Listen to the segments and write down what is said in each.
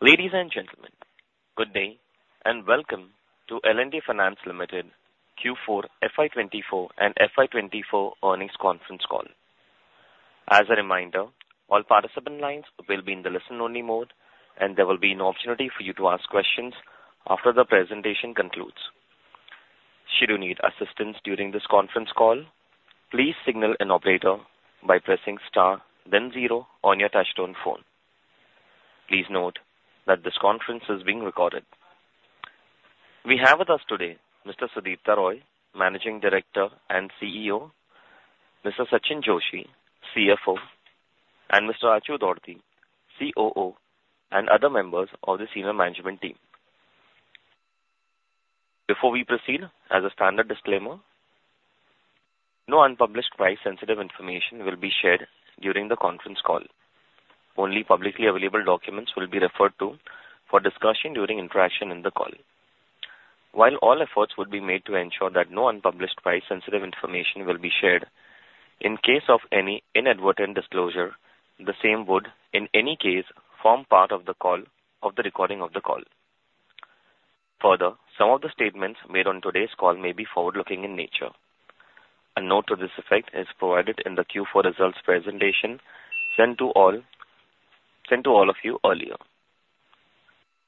Ladies and gentlemen, good day and welcome to L&T Finance Limited Q4 FY24 and FY24 earnings conference call. As a reminder, all participant lines will be in the listen-only mode and there will be no opportunity for you to ask questions after the presentation concludes. Should you need assistance during this conference call, please signal an operator by pressing star then zero on your touch-tone phone. Please note that this conference is being recorded. We have with us today Mr. Sudipta Roy, Managing Director and CEO, Mr. Sachinn Joshi, CFO, and Mr. Raju Dodti, COO, and other members of the senior management team. Before we proceed, as a standard disclaimer, no unpublished price-sensitive information will be shared during the conference call. Only publicly available documents will be referred to for discussion during interaction in the call. While all efforts would be made to ensure that no unpublished price-sensitive information will be shared, in case of any inadvertent disclosure, the same would, in any case, form part of the recording of the call. Further, some of the statements made on today's call may be forward-looking in nature. A note to this effect is provided in the Q4 results presentation sent to all of you earlier.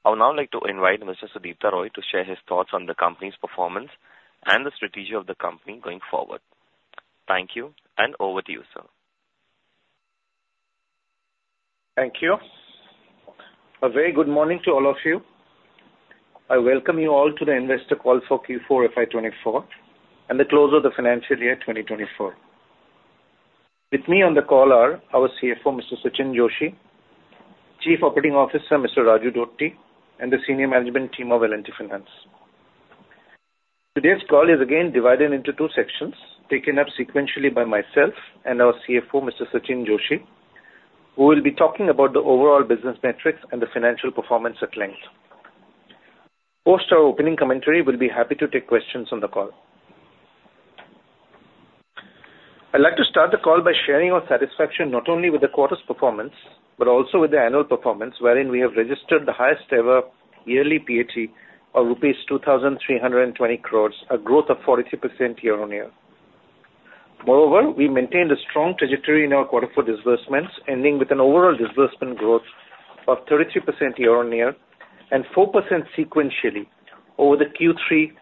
I would now like to invite Mr. Sudipta Roy to share his thoughts on the company's performance and the strategy of the company going forward. Thank you and over to you, sir. Thank you. A very good morning to all of you. I welcome you all to the investor call for Q4 FY24 and the close of the financial year 2024. With me on the call are our CFO, Mr. Sachinn Joshi, Chief Operating Officer, Mr. Raju Dodti, and the senior management team of L&T Finance. Today's call is again divided into two sections, taken up sequentially by myself and our CFO, Mr. Sachinn Joshi, who will be talking about the overall business metrics and the financial performance at length. Post our opening commentary, we'll be happy to take questions on the call. I'd like to start the call by sharing our satisfaction not only with the quarter's performance but also with the annual performance wherein we have registered the highest-ever yearly PAT of rupees 2,320 crores, a growth of 43% year-on-year. Moreover, we maintained a strong trajectory in our quarter for disbursements, ending with an overall disbursement growth of 33% year-over-year and 4% sequentially over the Q3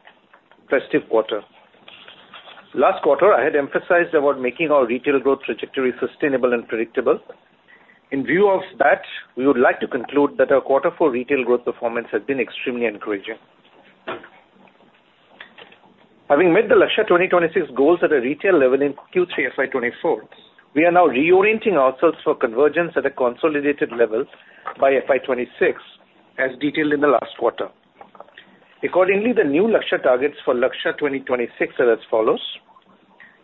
festive quarter. Last quarter, I had emphasized about making our retail growth trajectory sustainable and predictable. In view of that, we would like to conclude that our quarter for retail growth performance has been extremely encouraging. Having met the Lakshya 2026 goals at a retail level in Q3 FY24, we are now reorienting ourselves for convergence at a consolidated level by FY26 as detailed in the last quarter. Accordingly, the new Lakshya targets for Lakshya 2026 are as follows: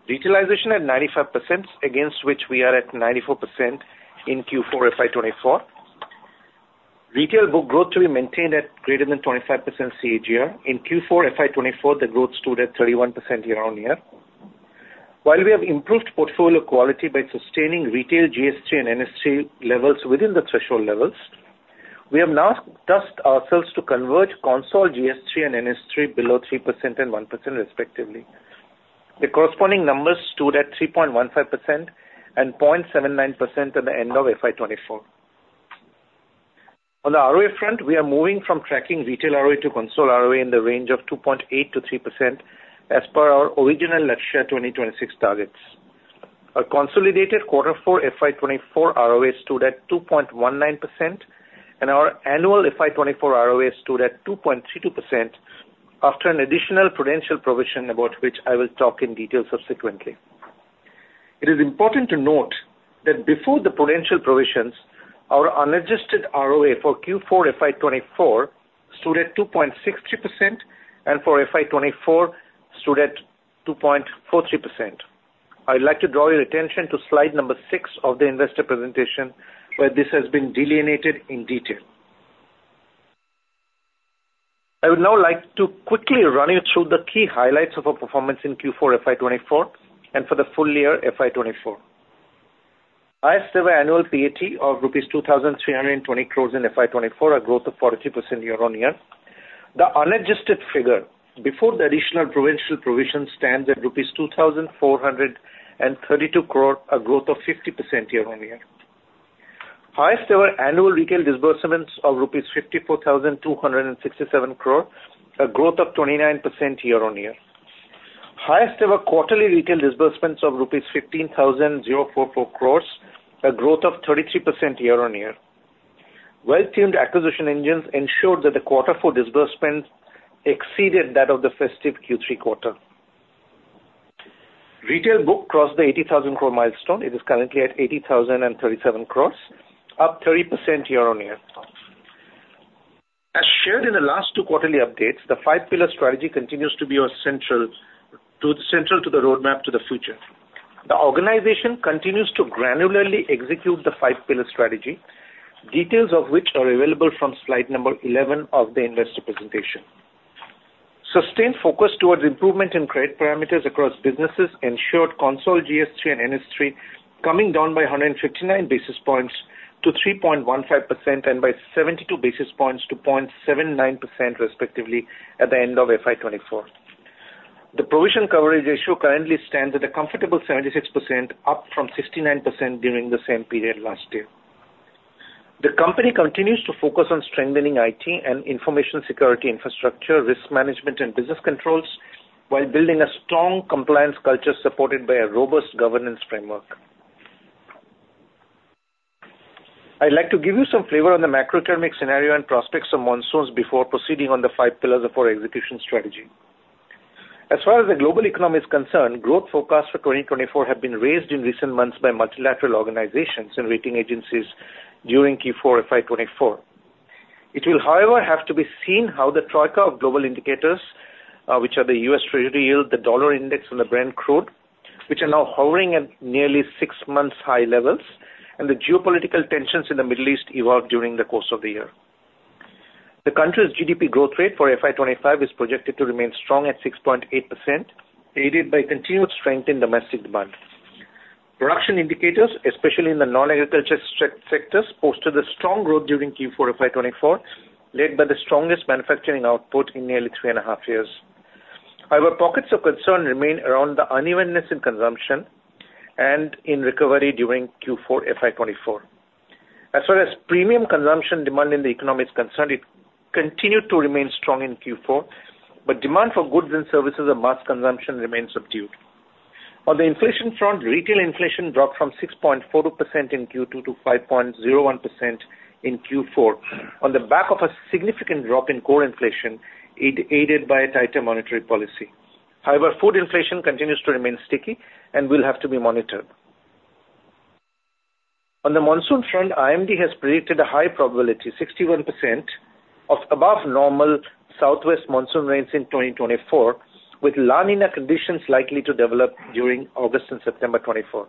retaliation at 95%, against which we are at 94% in Q4 FY24. Retail book growth to be maintained at greater than 25% CAGR. In Q4 FY24, the growth stood at 31% year-over-year. While we have improved portfolio quality by sustaining retail GS3 and NS3 levels within the threshold levels, we have now asked ourselves to converge consolidated GS3 and NS3 below 3% and 1%, respectively. The corresponding numbers stood at 3.15% and 0.79% at the end of FY24. On the ROA front, we are moving from tracking retail ROA to consolidated ROA in the range of 2.8%-3% as per our original Lakshya 2026 targets. Our consolidated Q4 FY24 ROA stood at 2.19%, and our annual FY24 ROA stood at 2.32% after an additional prudential provision about which I will talk in detail subsequently. It is important to note that before the prudential provisions, our underlying ROA for Q4 FY24 stood at 2.63%, and for FY24, stood at 2.43%. I'd like to draw your attention to slide number six of the investor presentation where this has been delineated in detail. I would now like to quickly run you through the key highlights of our performance in Q4 FY24 and for the full year FY24. Highest-ever annual PAT of rupees 2,320 crores in FY24, a growth of 43% year-over-year. The unadjusted figure before the additional prudential provision stands at rupees 2,432 crore, a growth of 50% year-over-year. Highest-ever annual retail disbursements of 54,267 crore rupees, a growth of 29% year-over-year. Highest-ever quarterly retail disbursements of rupees 15,000 crores, a growth of 33% year-over-year. Well-tuned acquisition engines ensured that the quarter for disbursements exceeded that of the festive Q3 quarter. Retail book crossed the 80,000 crore milestone. It is currently at 80,037 crores, up 30% year-over-year. As shared in the last two quarterly updates, the five-pillar strategy continues to be central to the roadmap to the future. The organization continues to granularly execute the five-pillar strategy, details of which are available from slide 11 of the investor presentation. Sustained focus towards improvement in credit parameters across businesses ensured consolidated GS3 and NS3 coming down by 159 basis points to 3.15% and by 72 basis points to 0.79%, respectively, at the end of FY 2024. The provision coverage ratio currently stands at a comfortable 76%, up from 69% during the same period last year. The company continues to focus on strengthening IT and information security infrastructure, risk management, and business controls while building a strong compliance culture supported by a robust governance framework. I'd like to give you some flavor on the macroeconomic scenario and prospects of monsoons before proceeding on the five pillars of our execution strategy. As far as the global economy is concerned, growth forecasts for 2024 have been raised in recent months by multilateral organizations and rating agencies during Q4 FY24. It will, however, have to be seen how the troika of global indicators, which are the U.S. Treasury yield, the dollar index, and the Brent crude, which are now hovering at nearly six-month-high levels, and the geopolitical tensions in the Middle East evolve during the course of the year. The country's GDP growth rate for FY25 is projected to remain strong at 6.8%, aided by continued strength in domestic demand. Production indicators, especially in the non-agriculture sectors, posted a strong growth during Q4 FY24, led by the strongest manufacturing output in nearly three and a half years. However, pockets of concern remain around the unevenness in consumption and in recovery during Q4 FY24. As far as premium consumption demand in the economy is concerned, it continued to remain strong in Q4, but demand for goods and services of mass consumption remains subdued. On the inflation front, retail inflation dropped from 6.42% in Q2 to 5.01% in Q4 on the back of a significant drop in core inflation, aided by a tighter monetary policy. However, food inflation continues to remain sticky and will have to be monitored. On the monsoon front, IMD has predicted a high probability, 61%, of above-normal southwest monsoon rains in 2024, with La Niña conditions likely to develop during August and September 2024.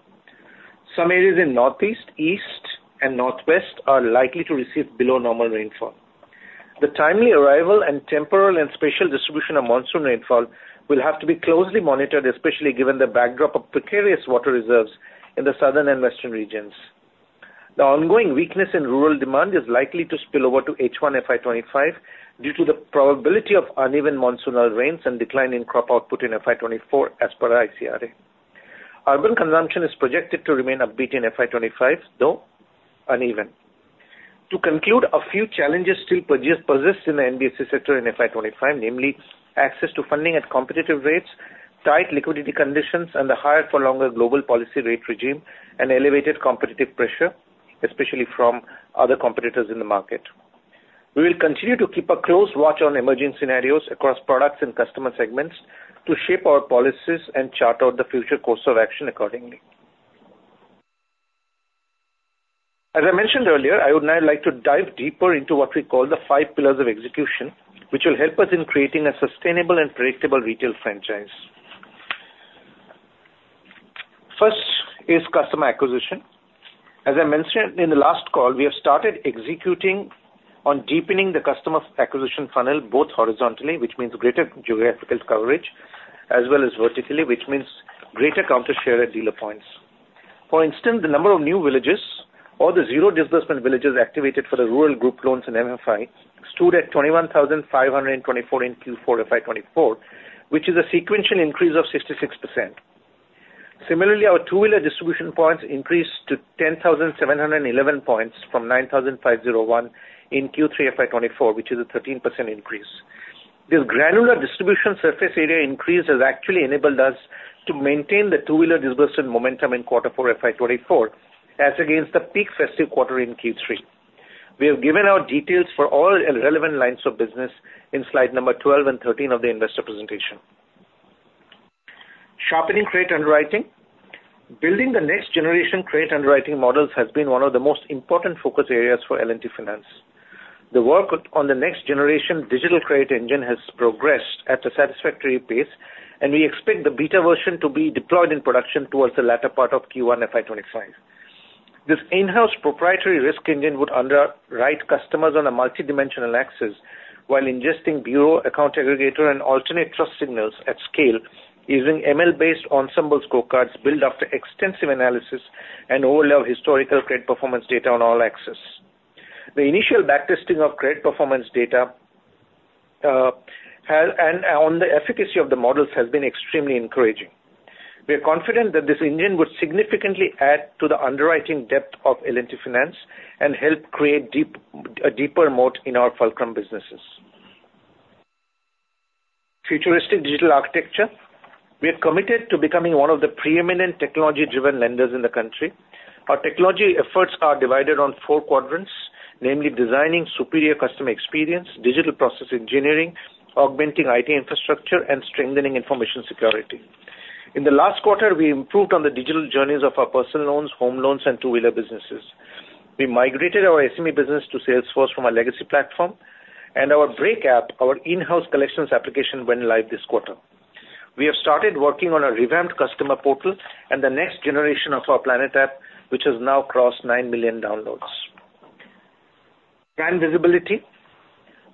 Some areas in Northeast, East, and Northwest are likely to receive below-normal rainfall. The timely arrival and temporal and spatial distribution of monsoon rainfall will have to be closely monitored, especially given the backdrop of precarious water reserves in the Southern and Western regions. The ongoing weakness in rural demand is likely to spill over to H1 FY25 due to the probability of uneven monsoonal rains and decline in crop output in FY24 as per ICRA. Urban consumption is projected to remain upbeat in FY25, though uneven. To conclude, a few challenges still persist in the NBFC sector in FY25, namely access to funding at competitive rates, tight liquidity conditions, and the higher-for-longer global policy rate regime, and elevated competitive pressure, especially from other competitors in the market. We will continue to keep a close watch on emerging scenarios across products and customer segments to shape our policies and chart out the future course of action accordingly. As I mentioned earlier, I would now like to dive deeper into what we call the five pillars of execution, which will help us in creating a sustainable and predictable retail franchise. First is customer acquisition. As I mentioned in the last call, we have started executing on deepening the customer acquisition funnel, both horizontally, which means greater geographical coverage, as well as vertically, which means greater counter-share at dealer points. For instance, the number of new villages or the zero disbursement villages activated for the rural group loans in MFI stood at 21,524 in Q4 FY2024, which is a sequential increase of 66%. Similarly, our two-wheeler distribution points increased to 10,711 points from 9,501 in Q3 FY2024, which is a 13% increase. This granular distribution surface area increase has actually enabled us to maintain the two-wheeler disbursement momentum in quarter for FY2024 as against the peak festive quarter in Q3. We have given out details for all relevant lines of business in slide number 12 and 13 of the investor presentation. Sharpening credit underwriting. Building the next-generation credit underwriting models has been one of the most important focus areas for L&T Finance. The work on the next-generation digital credit engine has progressed at a satisfactory pace, and we expect the beta version to be deployed in production towards the latter part of Q1 FY 2025. This in-house proprietary risk engine would underwrite customers on a multidimensional axis while ingesting bureau, account aggregator, and alternate trust signals at scale using ML-based ensemble scorecards built after extensive analysis and overlap historical credit performance data on all axes. The initial backtesting of credit performance data and on the efficacy of the models has been extremely encouraging. We are confident that this engine would significantly add to the underwriting depth of L&T Finance and help create a deeper moat in our fulcrum businesses. Futuristic digital architecture. We are committed to becoming one of the preeminent technology-driven lenders in the country. Our technology efforts are divided on four quadrants, namely designing superior customer experience, digital process engineering, augmenting IT infrastructure, and strengthening information security. In the last quarter, we improved on the digital journeys of our personal loans, home loans, and two-wheeler businesses. We migrated our SME business to Salesforce from a legacy platform, and our B-Rek app, our in-house collections application, went live this quarter. We have started working on a revamped customer portal and the next generation of our PLANET app, which has now crossed nine million downloads. Brand visibility.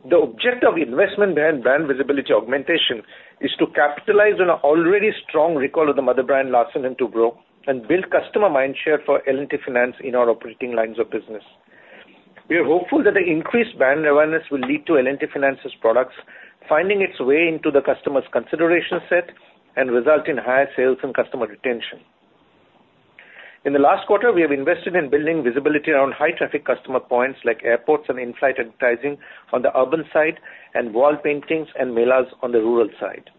The objective of investment and brand visibility augmentation is to capitalize on an already strong recall of the mother brand Larsen & Toubro and build customer mindshare for L&T Finance in our operating lines of business. We are hopeful that the increased brand awareness will lead to L&T Finance's products finding its way into the customer's consideration set and result in higher sales and customer retention. In the last quarter, we have invested in building visibility around high-traffic customer points like airports and in-flight advertising on the urban side and wall paintings and malls on the rural side.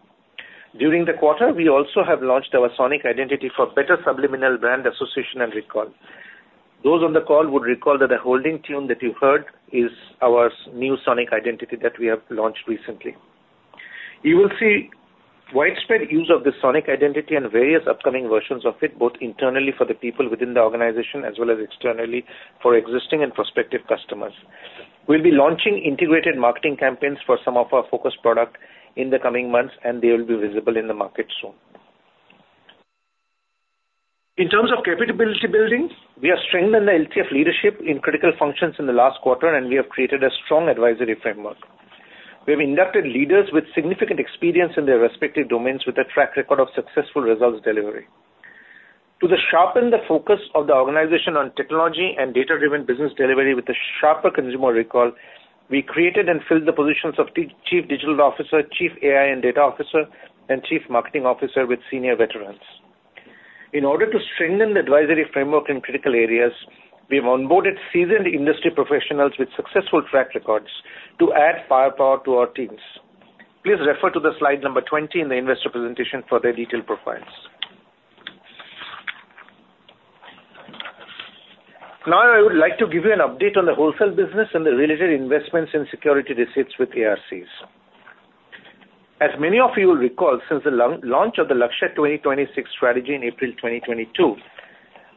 During the quarter, we also have launched our sonic identity for better subliminal brand association and recall. Those on the call would recall that the holding tune that you heard is our new sonic identity that we have launched recently. You will see widespread use of this sonic identity and various upcoming versions of it, both internally for the people within the organization as well as externally for existing and prospective customers. We'll be launching integrated marketing campaigns for some of our focus products in the coming months, and they will be visible in the market soon. In terms of capability building, we have strengthened the LTF leadership in critical functions in the last quarter, and we have created a strong advisory framework. We have inducted leaders with significant experience in their respective domains with a track record of successful results delivery. To sharpen the focus of the organization on technology and data-driven business delivery with a sharper consumer recall, we created and filled the positions of Chief Digital Officer, Chief AI and Data Officer, and Chief Marketing Officer with senior veterans. In order to strengthen the advisory framework in critical areas, we have onboarded seasoned industry professionals with successful track records to add firepower to our teams. Please refer to slide number 20 in the investor presentation for their detailed profiles. Now, I would like to give you an update on the wholesale business and the related investments in security receipts with ARCs. As many of you will recall, since the launch of the Lakshya 2026 strategy in April 2022,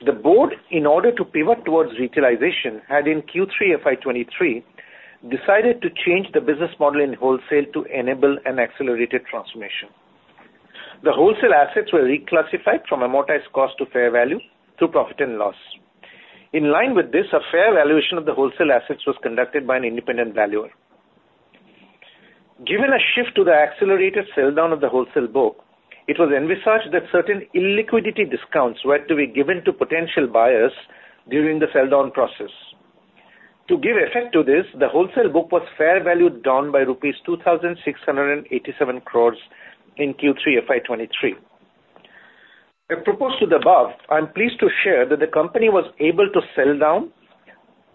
the board, in order to pivot towards retailization, had in Q3 FY23 decided to change the business model in wholesale to enable an accelerated transformation. The wholesale assets were reclassified from amortized cost to fair value through profit and loss. In line with this, a fair valuation of the wholesale assets was conducted by an independent valuer. Given a shift to the accelerated sell-down of the wholesale book, it was envisaged that certain illiquidity discounts were to be given to potential buyers during the sell-down process. To give effect to this, the wholesale book was fair valued down by rupees 2,687 crores in Q3 FY23. As proposed to the above, I'm pleased to share that the company was able to sell down,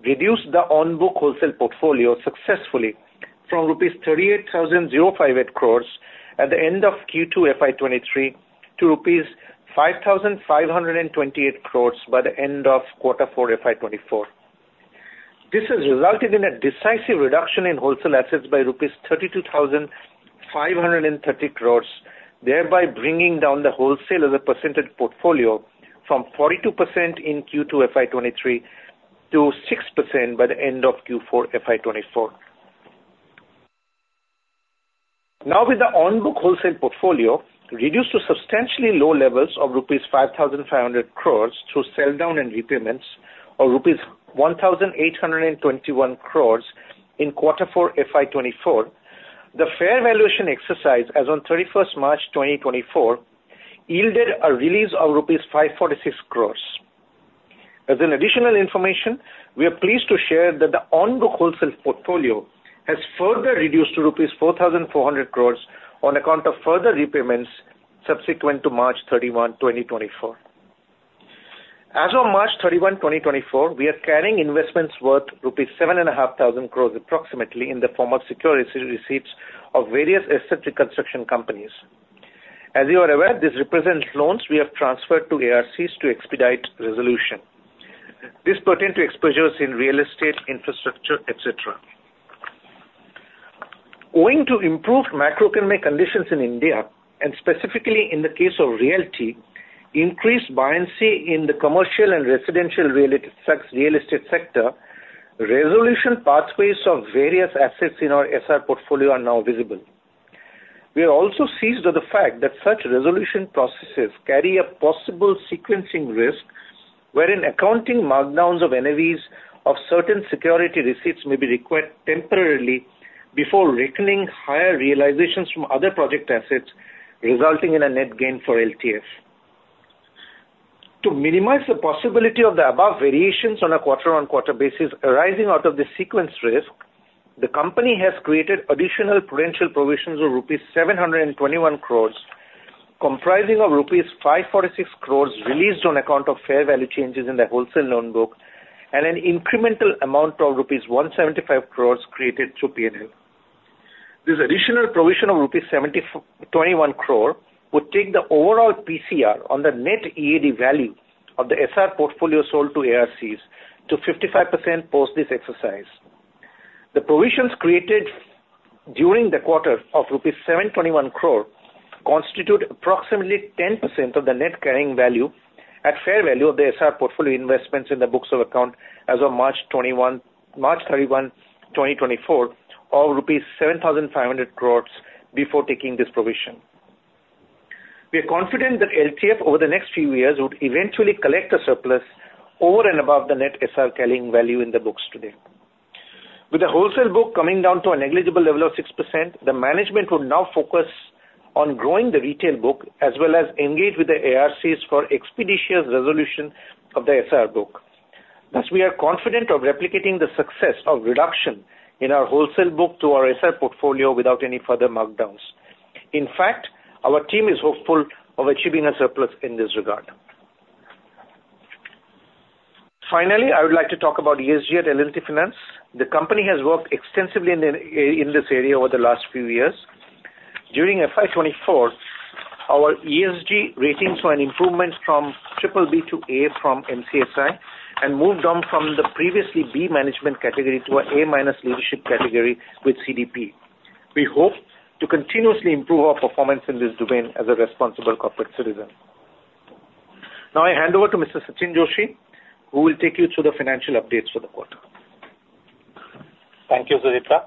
reduce the on-book wholesale portfolio successfully from rupees 38,058 crores at the end of Q2 FY23 to rupees 5,528 crores by the end of quarter four FY24. This has resulted in a decisive reduction in wholesale assets by rupees 32,530 crores, thereby bringing down the wholesale as a percentage portfolio from 42% in Q2 FY23 to 6% by the end of Q4 FY24. Now, with the on-book wholesale portfolio reduced to substantially low levels of 5,500 crores rupees through sell-down and repayments or 1,821 crores rupees in quarter four FY24, the fair valuation exercise, as on 31st March 2024, yielded a release of rupees 546 crores. As an additional information, we are pleased to share that the on-book wholesale portfolio has further reduced to rupees 4,400 crores on account of further repayments subsequent to March 31, 2024. As of March 31, 2024, we are carrying investments worth rupees 7,500 crores approximately in the form of security receipts of various asset reconstruction companies. As you are aware, this represents loans we have transferred to ARCs to expedite resolution. This pertained to exposures in real estate, infrastructure, etc. Owing to improved macroeconomic conditions in India, and specifically in the case of realty, increased buy-in in the commercial and residential real estate sector, resolution pathways of various assets in our SR portfolio are now visible. We are also seized by the fact that such resolution processes carry a possible sequencing risk wherein accounting markdowns of NAVs of certain security receipts may be required temporarily before reckoning higher realizations from other project assets, resulting in a net gain for LTF. To minimize the possibility of the above variations on a quarter-on-quarter basis arising out of this sequence risk, the company has created additional prudential provisions of rupees 721 crores comprising of rupees 546 crores released on account of fair value changes in the wholesale loan book and an incremental amount of rupees 175 crores created through P&L. This additional provision of rupees 721 crore would take the overall PCR on the net EAD value of the SR portfolio sold to ARCs to 55% post this exercise. The provisions created during the quarter of rupees 721 crore constitute approximately 10% of the net carrying value at fair value of the SR portfolio investments in the books of account as of March 31, 2024, of rupees 7,500 crores before taking this provision. We are confident that LTF over the next few years would eventually collect a surplus over and above the net SR carrying value in the books today. With the wholesale book coming down to a negligible level of 6%, the management would now focus on growing the retail book as well as engage with the ARCs for expeditious resolution of the SR book. Thus, we are confident of replicating the success of reduction in our wholesale book to our SR portfolio without any further markdowns. In fact, our team is hopeful of achieving a surplus in this regard. Finally, I would like to talk about ESG at L&T Finance. The company has worked extensively in this area over the last few years. During FY24, our ESG ratings saw an improvement from BBB to A from MSCI and moved down from the previously B management category to an A-leadership category with CDP. We hope to continuously improve our performance in this domain as a responsible corporate citizen. Now, I hand over to Mr. Sachinn Joshi, who will take you through the financial updates for the quarter. Thank you, Sudipta.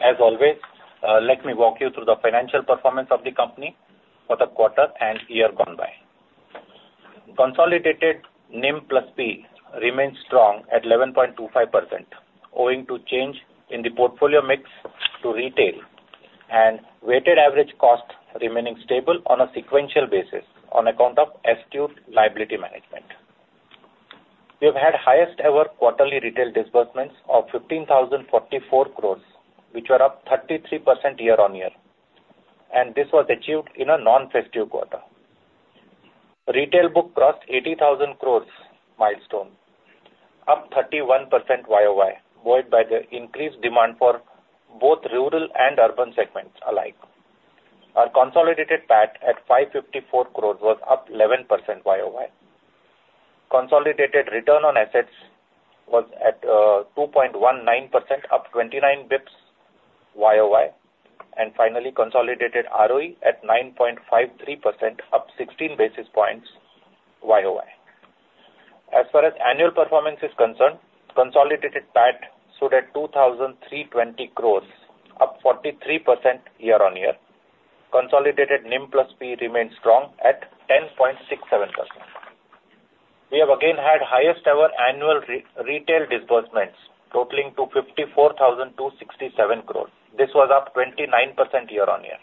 As always, let me walk you through the financial performance of the company for the quarter and year gone by. Consolidated NIM plus P remains strong at 11.25%, owing to change in the portfolio mix to retail and weighted average cost remaining stable on a sequential basis on account of SQ liability management. We have had highest-ever quarterly retail disbursements of 15,044 crores, which are up 33% year-on-year. This was achieved in a non-festive quarter. Retail book crossed 80,000 crore milestone, up 31% year-over-year, driven by the increased demand for both rural and urban segments alike. Our consolidated PAT at 554 crore was up 11% year-over-year. Consolidated return on assets was at 2.19%, up 29 basis points year-over-year. Finally, consolidated ROE at 9.53%, up 16 basis points year-over-year. As far as annual performance is concerned, consolidated PAT stood at 2,320 crore, up 43% year-over-year. Consolidated NIM plus P remains strong at 10.67%. We have again had highest-ever annual retail disbursements totaling 54,267 crore. This was up 29% year-over-year.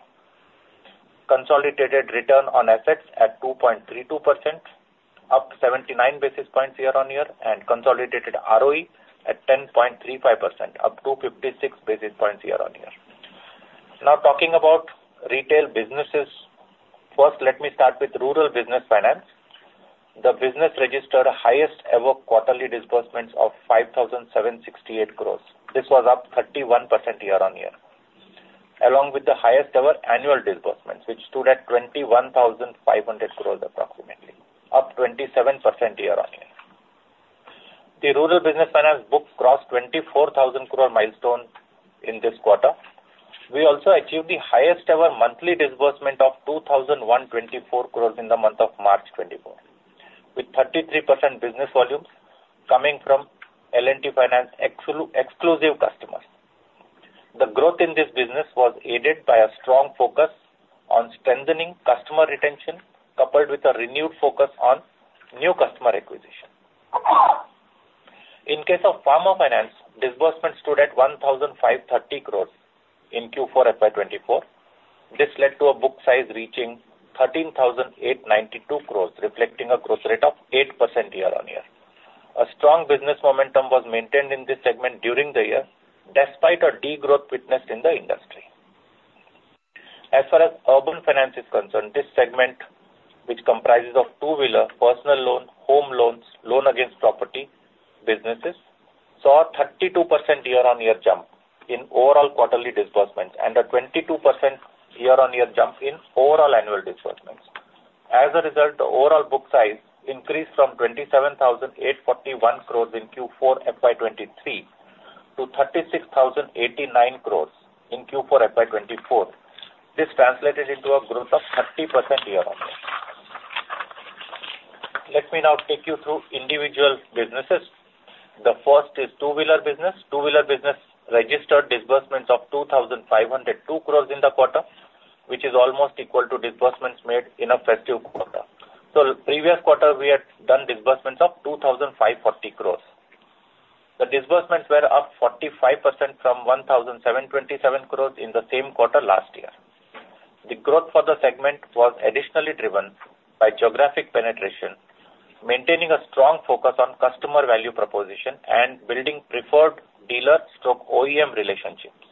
Consolidated return on assets at 2.32%, up 79 basis points year-over-year. Consolidated ROE at 10.35%, up 256 basis points year-over-year. Now, talking about retail businesses, first, let me start with rural business finance. The business registered highest-ever quarterly disbursements of 5,768 crores. This was up 31% year-over-year, along with the highest-ever annual disbursements, which stood at 21,500 crores approximately, up 27% year-over-year. The rural business finance book crossed 24,000 crore milestone in this quarter. We also achieved the highest-ever monthly disbursement of 2,124 crores in the month of March 2024, with 33% business volumes coming from L&T Finance's exclusive customers. The growth in this business was aided by a strong focus on strengthening customer retention coupled with a renewed focus on new customer acquisition. In case of pharma finance, disbursements stood at 1,530 crores in Q4 FY2024. This led to a book size reaching 13,892 crores, reflecting a growth rate of 8% year-over-year. A strong business momentum was maintained in this segment during the year despite a degrowth witnessed in the industry. As far as urban finance is concerned, this segment, which comprises two-wheeler, personal loan, home loans, loan against property businesses, saw a 32% year-on-year jump in overall quarterly disbursements and a 22% year-on-year jump in overall annual disbursements. As a result, the overall book size increased from 27,841 crores in Q4 FY23 to 36,089 crores in Q4 FY24. This translated into a growth of 30% year-on-year. Let me now take you through individual businesses. The first is two-wheeler business. Two-wheeler business registered disbursements of 2,502 crores in the quarter, which is almost equal to disbursements made in a festive quarter. So previous quarter, we had done disbursements of 2,540 crores. The disbursements were up 45% from 1,727 crores in the same quarter last year. The growth for the segment was additionally driven by geographic penetration, maintaining a strong focus on customer value proposition and building preferred dealer/OEM relationships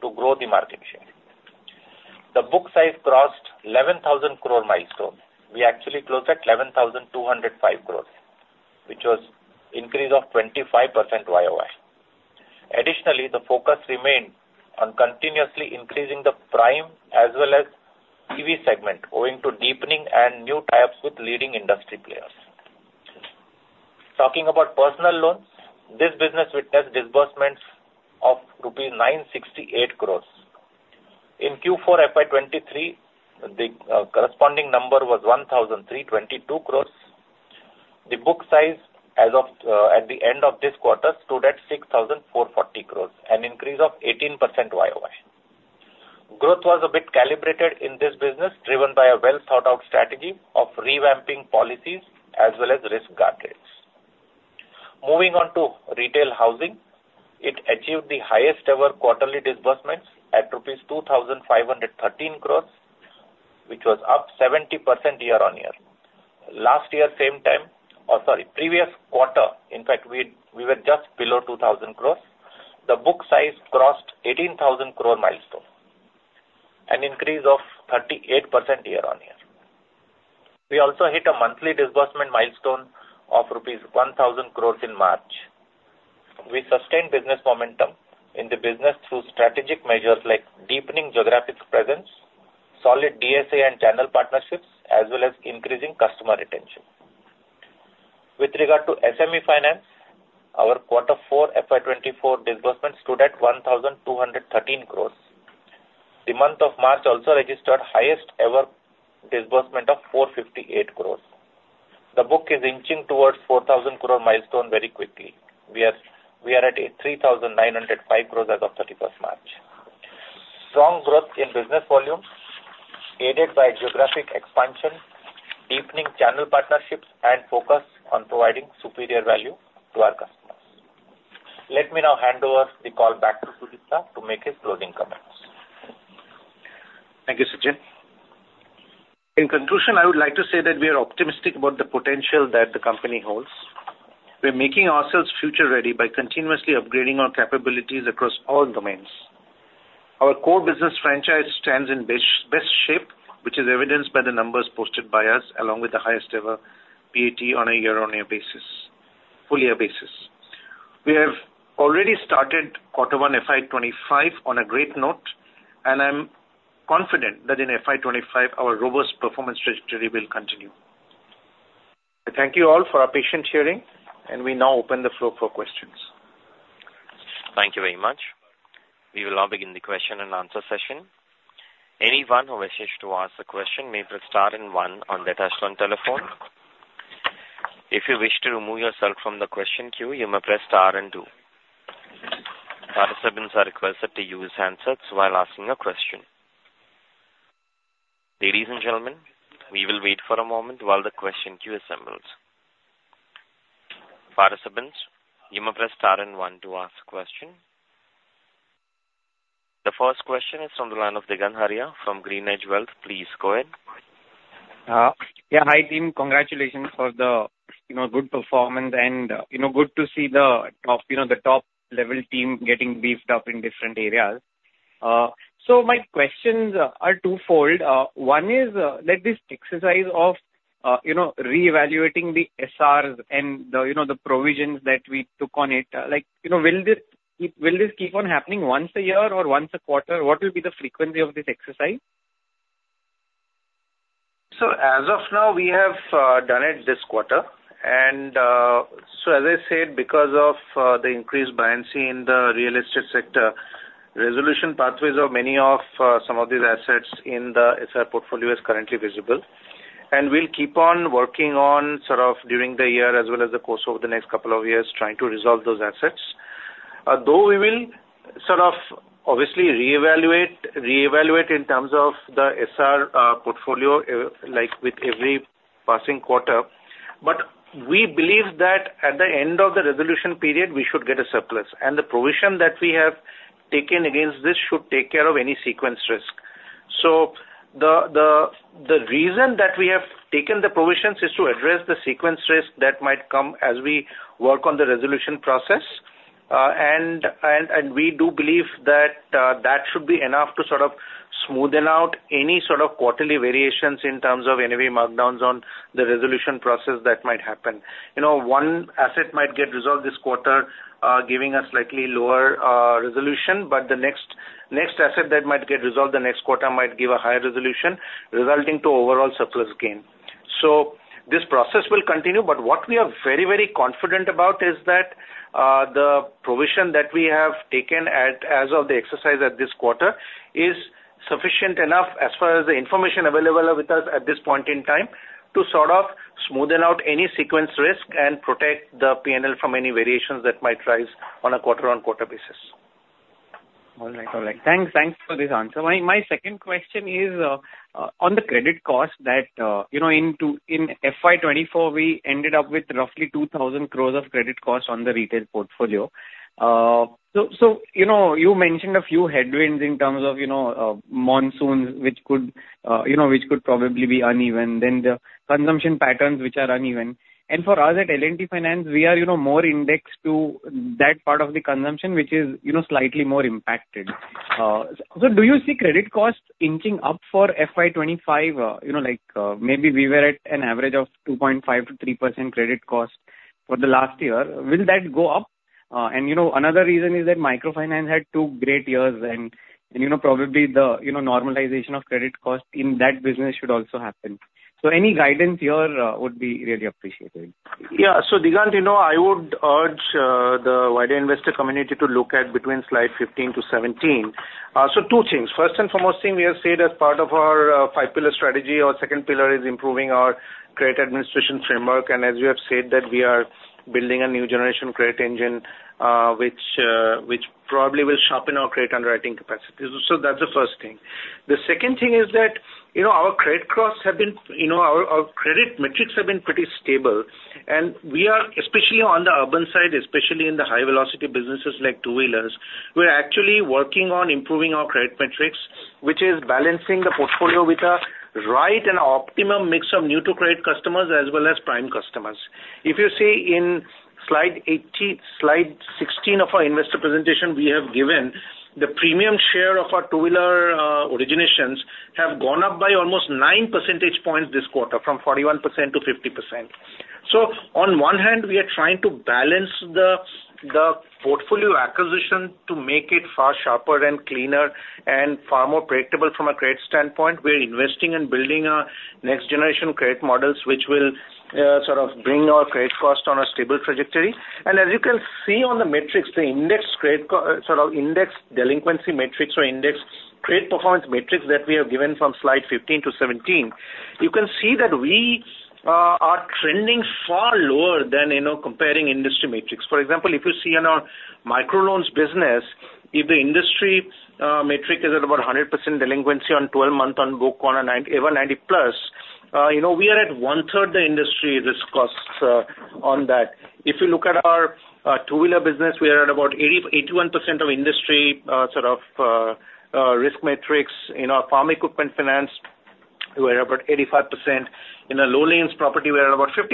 to grow the market share. The book size crossed 11,000 crore milestone. We actually closed at 11,205 crores, which was an increase of 25% year-over-year. Additionally, the focus remained on continuously increasing the prime as well as EV segment, owing to deepening and new tie-ups with leading industry players. Talking about personal loans, this business witnessed disbursements of rupees 968 crores. In Q4 FY23, the corresponding number was 1,322 crores. The book size at the end of this quarter stood at 6,440 crores, an increase of 18% year-over-year. Growth was a bit calibrated in this business, driven by a well-thought-out strategy of revamping policies as well as risk guardrails. Moving on to retail housing, it achieved the highest-ever quarterly disbursements at rupees 2,513 crores, which was up 70% year-on-year. Last year's same time or sorry, previous quarter in fact, we were just below 2,000 crores. The book size crossed 18,000 crore milestone, an increase of 38% year-on-year. We also hit a monthly disbursement milestone of rupees 1,000 crores in March. We sustained business momentum in the business through strategic measures like deepening geographic presence, solid DSA and channel partnerships, as well as increasing customer retention. With regard to SME finance, our quarter four FY24 disbursement stood at 1,213 crores. The month of March also registered highest-ever disbursement of 458 crores. The book is inching towards the 4,000 crore milestone very quickly. We are at 3,905 crores as of 31st March. Strong growth in business volumes aided by geographic expansion, deepening channel partnerships, and focus on providing superior value to our customers. Let me now hand over the call back to Sudipta to make his closing comments. Thank you, Sachinn. In conclusion, I would like to say that we are optimistic about the potential that the company holds. We are making ourselves future-ready by continuously upgrading our capabilities across all domains. Our core business franchise stands in best shape, which is evidenced by the numbers posted by us along with the highest-ever PAT on a year-on-year basis, full-year basis. We have already started quarter one FY 2025 on a great note, and I'm confident that in FY 2025, our robust performance trajectory will continue. I thank you all for your patience hearing, and we now open the floor for questions. Thank you very much. We will now begin the question and answer session. Anyone who wishes to ask a question may press star and one on the touch-tone telephone. If you wish to remove yourself from the question queue, you may press star and two. Participants are requested to use hands up while asking a question. Ladies and gentlemen, we will wait for a moment while the question queue assembles. Participants, you may press star and one to ask a question. The first question is from the line of Digant Haria from GreenEdge Wealth. Please go ahead. Yeah. Hi, team. Congratulations for the good performance and good to see the top-level team getting beefed up in different areas. So my questions are twofold. One is, let this exercise of reevaluating the SRs and the provisions that we took on it, will this keep on happening once a year or once a quarter? What will be the frequency of this exercise? So as of now, we have done it this quarter. And so as I said, because of the increased buoyancy in the real estate sector, resolution pathways of many of some of these assets in the SR portfolio are currently visible. And we'll keep on working on sort of during the year as well as the course of the next couple of years trying to resolve those assets. Though we will sort of obviously reevaluate in terms of the SR portfolio with every passing quarter, but we believe that at the end of the resolution period, we should get a surplus. And the provision that we have taken against this should take care of any sequence risk. So the reason that we have taken the provisions is to address the sequence risk that might come as we work on the resolution process. We do believe that that should be enough to sort of smoothen out any sort of quarterly variations in terms of any markdowns on the resolution process that might happen. One asset might get resolved this quarter giving us slightly lower resolution, but the next asset that might get resolved the next quarter might give a higher resolution resulting in an overall surplus gain. This process will continue. But what we are very, very confident about is that the provision that we have taken as of the exercise at this quarter is sufficient enough as far as the information available with us at this point in time to sort of smoothen out any sequence risk and protect the P&L from any variations that might arise on a quarter-on-quarter basis. All right. All right. Thanks for this answer. My second question is on the credit cost that in FY2024, we ended up with roughly 2,000 crore of credit cost on the retail portfolio. So you mentioned a few headwinds in terms of monsoons, which could probably be uneven, then the consumption patterns, which are uneven. And for us at L&T Finance, we are more indexed to that part of the consumption, which is slightly more impacted. So do you see credit costs inching up for FY2025? Maybe we were at an average of 2.5%-3% credit cost for the last year. Will that go up? And another reason is that microfinance had two great years, and probably the normalization of credit cost in that business should also happen. So any guidance here would be really appreciated. Yeah. So Digant, I would urge the wider investor community to look at between slide 15 to 17. So two things. First and foremost thing, we have said as part of our five-pillar strategy, our second pillar is improving our credit administration framework. And as you have said, that we are building a new generation credit engine, which probably will sharpen our credit underwriting capacity. So that's the first thing. The second thing is that our credit costs have been our credit metrics have been pretty stable. And we are, especially on the urban side, especially in the high-velocity businesses like two-wheelers, we're actually working on improving our credit metrics, which is balancing the portfolio with a right and optimum mix of new-to-credit customers as well as prime customers. If you see in slide 16 of our investor presentation, we have given the premium share of our two-wheeler originations have gone up by almost 9 percentage points this quarter from 41%-50%. So on one hand, we are trying to balance the portfolio acquisition to make it far sharper and cleaner and far more predictable from a credit standpoint. We are investing in building next-generation credit models, which will sort of bring our credit cost on a stable trajectory. And as you can see on the metrics, the indexed sort of indexed delinquency metrics or indexed credit performance metrics that we have given from slide 15 to 17, you can see that we are trending far lower than comparing industry metrics. For example, if you see in our microloans business, if the industry metric is at about 100% delinquency on 12-month on book on an ever 90-plus, we are at 1/3 the industry risk cost on that. If you look at our two-wheeler business, we are at about 81% of industry sort of risk metrics. In our farm equipment finance, we're at about 85%. In a loan against property, we're at about 50%.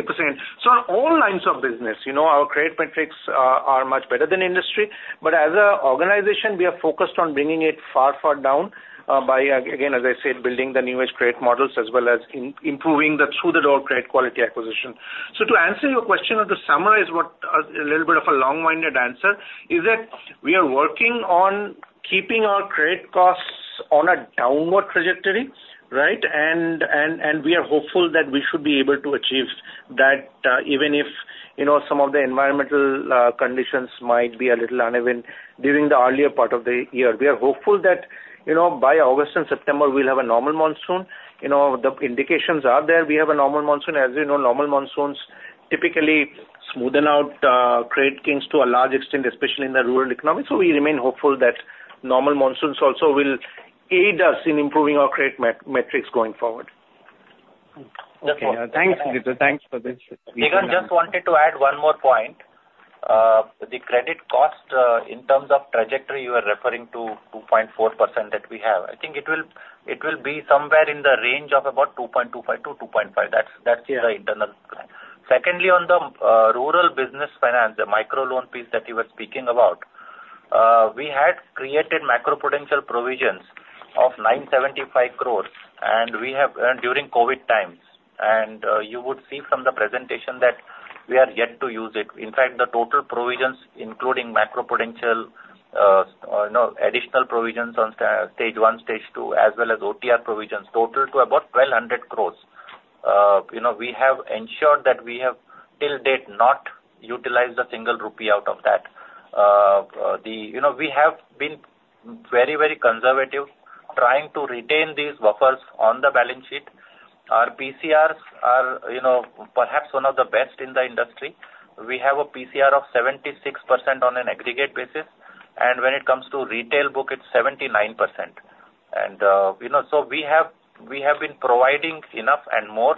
So on all lines of business, our credit metrics are much better than industry. But as an organization, we are focused on bringing it far, far down by, again, as I said, building the new-age credit models as well as improving the through-the-door credit quality acquisition. So to answer your question or to summarize a little bit of a long-winded answer, is that we are working on keeping our credit costs on a downward trajectory, right? We are hopeful that we should be able to achieve that even if some of the environmental conditions might be a little uneven during the earlier part of the year. We are hopeful that by August and September, we'll have a normal monsoon. The indications are there. We have a normal monsoon. As you know, normal monsoons typically smoothen out credit gains to a large extent, especially in the rural economy. We remain hopeful that normal monsoons also will aid us in improving our credit metrics going forward. Okay. Thanks, Sudipta. Thanks for this. Digant, just wanted to add one more point. The credit cost in terms of trajectory, you are referring to 2.4% that we have. I think it will be somewhere in the range of about 2.25%-2.5%. That's the internal plan. Secondly, on the rural business finance, the microloan piece that you were speaking about, we had created macro-potential provisions of 975 crore, and we have earned during COVID times. You would see from the presentation that we are yet to use it. In fact, the total provisions, including macro-potential additional provisions on stage one, stage two, as well as OTR provisions, total to about 1,200 crore. We have ensured that we have, till date, not utilized a single rupee out of that. We have been very, very conservative trying to retain these buffers on the balance sheet. Our PCRs are perhaps one of the best in the industry. We have a PCR of 76% on an aggregate basis. When it comes to retail book, it's 79%. So we have been providing enough and more.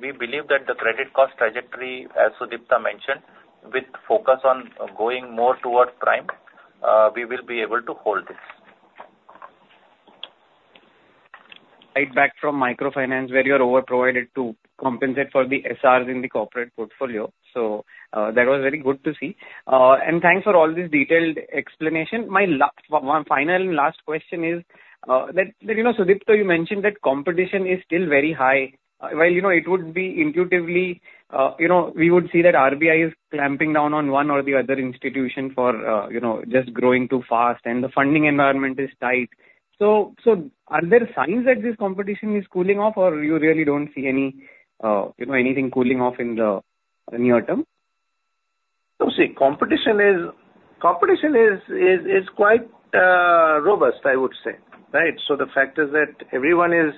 We believe that the credit cost trajectory, as Sudipta mentioned, with focus on going more towards prime, we will be able to hold this. Feedback from microfinance, where you are overprovided to compensate for the SRs in the corporate portfolio. That was very good to see. Thanks for all this detailed explanation. My final and last question is that, Sudipta, you mentioned that competition is still very high. While it would be intuitively, we would see that RBI is clamping down on one or the other institution for just growing too fast, and the funding environment is tight. So are there signs that this competition is cooling off, or you really don't see anything cooling off in the near term? So see, competition is quite robust, I would say, right? So the fact is that everyone is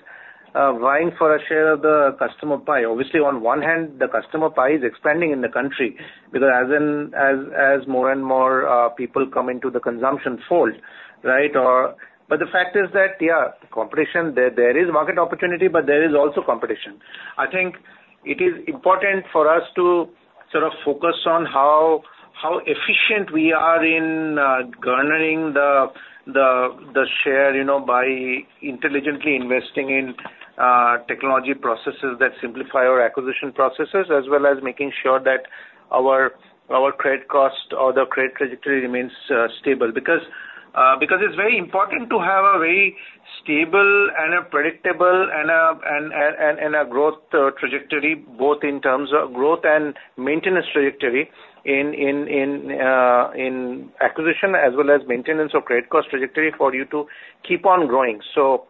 vying for a share of the customer pie. Obviously, on one hand, the customer pie is expanding in the country because as more and more people come into the consumption fold, right? But the fact is that, yeah, competition, there is market opportunity, but there is also competition. I think it is important for us to sort of focus on how efficient we are in garnering the share by intelligently investing in technology processes that simplify our acquisition processes as well as making sure that our credit cost or the credit trajectory remains stable because it's very important to have a very stable and a predictable and a growth trajectory both in terms of growth and maintenance trajectory in acquisition as well as maintenance of credit cost trajectory for you to keep on growing. So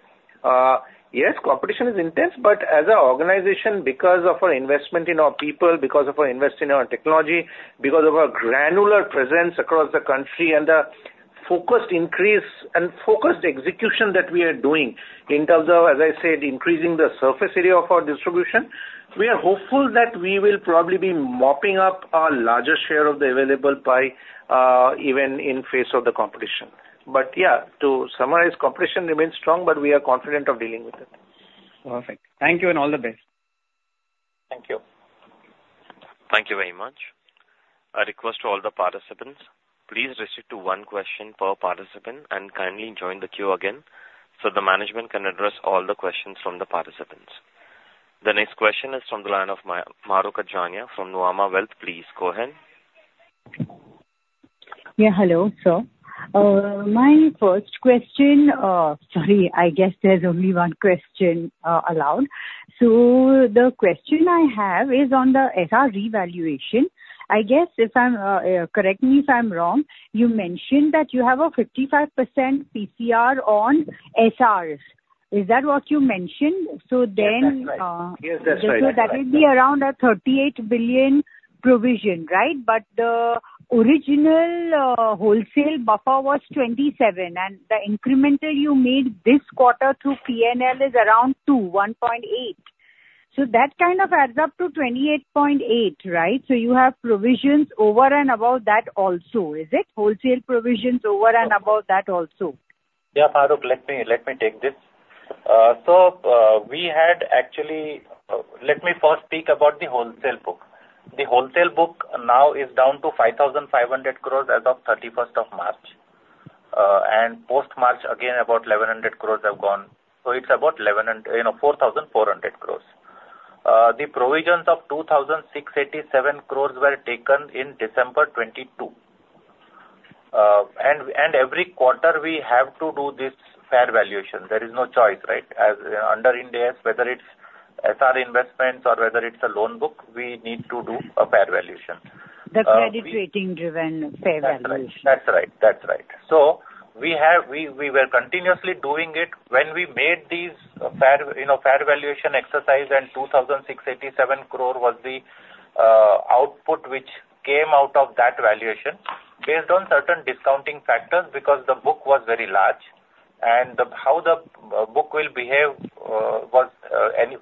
yes, competition is intense. But as an organization, because of our investment in our people, because of our investment in our technology, because of our granular presence across the country, and the focused increase and focused execution that we are doing in terms of, as I said, increasing the surface area of our distribution, we are hopeful that we will probably be mopping up our larger share of the available pie even in face of the competition. But yeah, to summarize, competition remains strong, but we are confident of dealing with it. Perfect. Thank you and all the best. Thank you. Thank you very much. A request to all the participants, please restrict to one question per participant and kindly join the queue again so the management can address all the questions from the participants. The next question is from the line of Mahrukh Adajania from Nuvama Wealth. Please go ahead. Yeah. Hello, sir. My first question, sorry. I guess there's only one question allowed. So the question I have is on the SR revaluation. I guess, correct me if I'm wrong, you mentioned that you have a 55% PCR on SRs. Is that what you mentioned? So then. Yes, that's right. Yes, that's right. So that would be around an 38 billion provision, right? But the original wholesale buffer was 27 billion. And the incremental you made this quarter through P&L is around 2 billion, 1.8 billion. So that kind of adds up to 28.8 billion, right? So you have provisions over and above that also, is it? Wholesale provisions over and above that also? Yeah, Mahrukh, let me take this. So we had actually let me first speak about the wholesale book. The wholesale book now is down to 5,500 crores as of 31st of March. And post-March, again, about 1,100 crores have gone. So it's about 4,400 crores. The provisions of 2,687 crores were taken in December 2022. And every quarter, we have to do this fair valuation. There is no choice, right? Under Ind AS, whether it's SR investments or whether it's a loan book, we need to do a fair valuation. The credit rating-driven fair valuation. That's right. That's right. So we were continuously doing it. When we made this fair valuation exercise and 2,687 crore was the output which came out of that valuation based on certain discounting factors because the book was very large. And how the book will behave was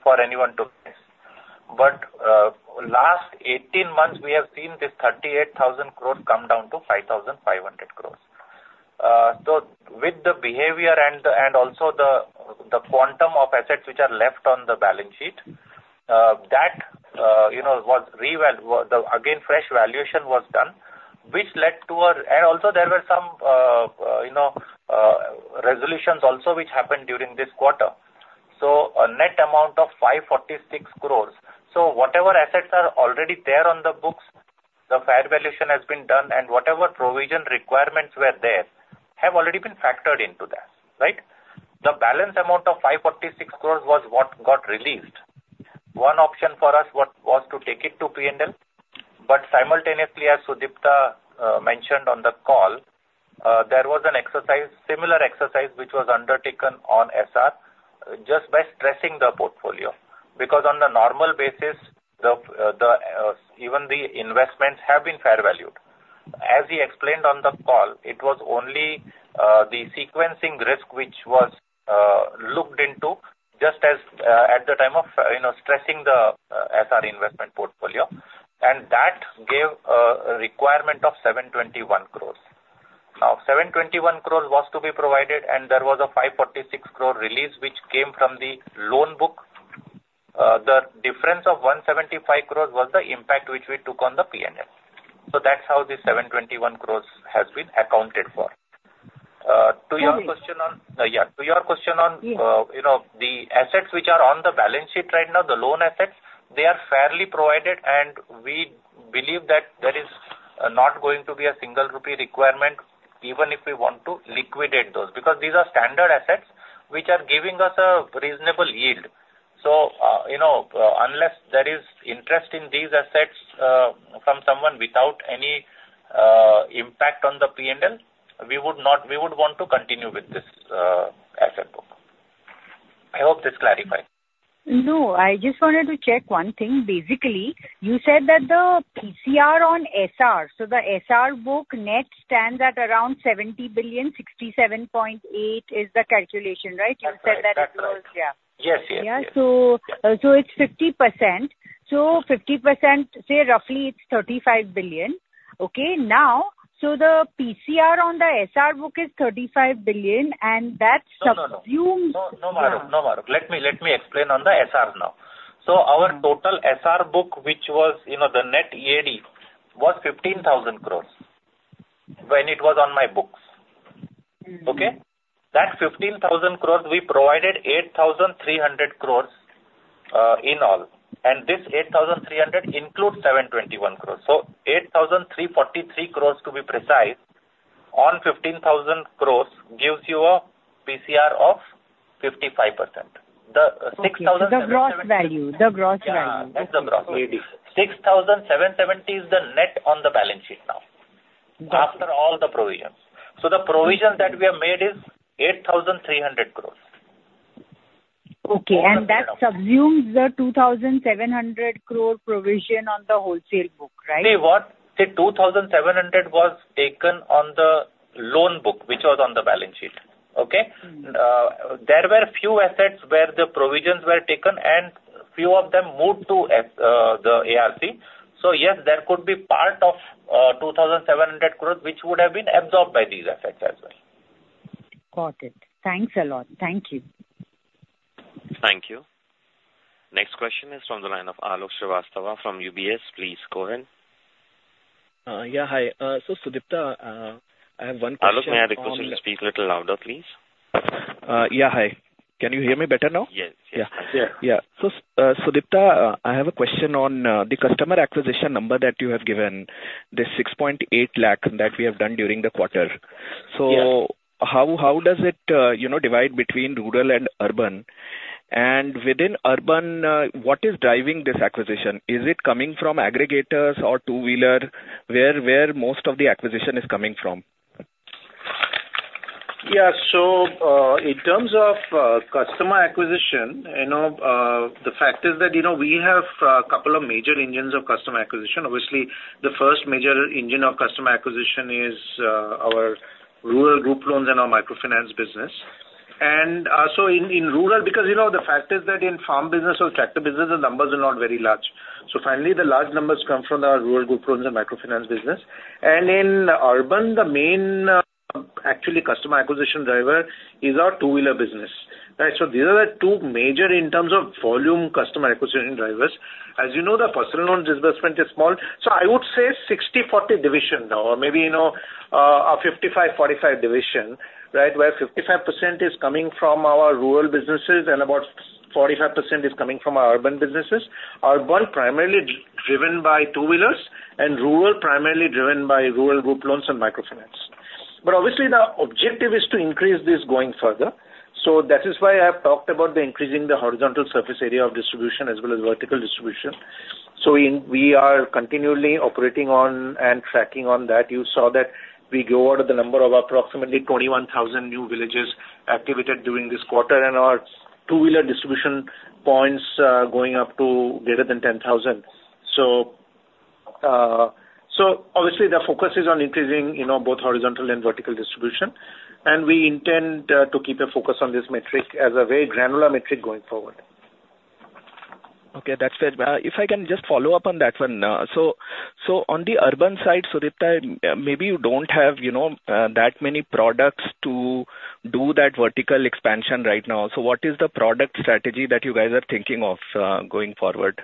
for anyone to guess. But last 18 months, we have seen this 38,000 crore come down to 5,500 crore. So with the behavior and also the quantum of assets which are left on the balance sheet, that was revaluated. Again, fresh valuation was done, which led to our and also, there were some resolutions also which happened during this quarter. So a net amount of 546 crore. So whatever assets are already there on the books, the fair valuation has been done, and whatever provision requirements were there have already been factored into that, right? The balance amount of 546 crores was what got released. One option for us was to take it to P&L. But simultaneously, as Sudipta mentioned on the call, there was an exercise, similar exercise, which was undertaken on SR just by stressing the portfolio because on the normal basis, even the investments have been fair valued. As he explained on the call, it was only the sequencing risk which was looked into just at the time of stressing the SR investment portfolio. And that gave a requirement of 721 crores. Now, 721 crores was to be provided, and there was a 546 crore release which came from the loan book. The difference of 175 crores was the impact which we took on the P&L. So that's how this 721 crores has been accounted for. To your question on. Yes. Yeah. To your question on the assets which are on the balance sheet right now, the loan assets, they are fairly provided. We believe that there is not going to be a single rupee requirement even if we want to liquidate those because these are standard assets which are giving us a reasonable yield. Unless there is interest in these assets from someone without any impact on the P&L, we would want to continue with this asset book. I hope this clarified. No, I just wanted to check one thing. Basically, you said that the PCR on SR, so the SR book net stands at around 70 billion. 67.8 is the calculation, right? You said that it was. Yes, yes, yes. Yeah. So it's 50%. So 50%, say roughly, it's 35 billion, okay? Now, so the PCR on the SR book is 35 billion, and that subsumes. No, no, no. No, Mahrukh. No, Mahrukh. Let me explain on the SRs now. So our total SR book, which was the net EAD, was 15,000 crore when it was on my books, okay? That 15,000 crore, we provided 8,300 crore in all. And this 8,300 crore includes 721 crore. So 8,343 crore, to be precise, on 15,000 crore gives you a PCR of 55%. The 6,770. The gross value. The gross value. Yes, the gross value. 6,770 crore is the net on the balance sheet now after all the provisions. So the provisions that we have made is 8,300 crore. Okay. And that subsumes the 2,700 crore provision on the wholesale book, right? See, what? See, 2,700 crore was taken on the loan book, which was on the balance sheet, okay? There were few assets where the provisions were taken, and few of them moved to the ARC. So yes, there could be part of 2,700 crore which would have been absorbed by these assets as well. Got it. Thanks a lot. Thank you. Thank you. Next question is from the line of Alok Srivastava from UBS. Please go ahead. Yeah, hi. So Sudipta, I have one question. Alok, may I have the question to speak a little louder, please? Yeah, hi. Can you hear me better now? Yes, yes, I can. Yeah. Yeah. So Sudipta, I have a question on the customer acquisition number that you have given, the 6.8 lakh that we have done during the quarter. So how does it divide between rural and urban? And within urban, what is driving this acquisition? Is it coming from aggregators or two-wheeler? Where most of the acquisition is coming from? Yeah. So in terms of customer acquisition, the fact is that we have a couple of major engines of customer acquisition. Obviously, the first major engine of customer acquisition is our rural group loans and our microfinance business. And so in rural because the fact is that in farm business or tractor business, the numbers are not very large. So finally, the large numbers come from our rural group loans and microfinance business. And in urban, the main actually customer acquisition driver is our two-wheeler business, right? So these are the two major in terms of volume customer acquisition drivers. As you know, the personal loan disbursement is small. So I would say 60/40 division now or maybe a 55/45 division, right, where 55% is coming from our rural businesses and about 45% is coming from our urban businesses. Urban primarily driven by two-wheelers and rural primarily driven by rural group loans and microfinance. But obviously, the objective is to increase this going further. So that is why I have talked about increasing the horizontal surface area of distribution as well as vertical distribution. So we are continually operating on and tracking on that. You saw that we go over the number of approximately 21,000 new villages activated during this quarter and our two-wheeler distribution points going up to greater than 10,000. So obviously, the focus is on increasing both horizontal and vertical distribution. And we intend to keep a focus on this metric as a very granular metric going forward. Okay. That's fair. If I can just follow up on that one now. So on the urban side, Sudipta, maybe you don't have that many products to do that vertical expansion right now. So what is the product strategy that you guys are thinking of going forward?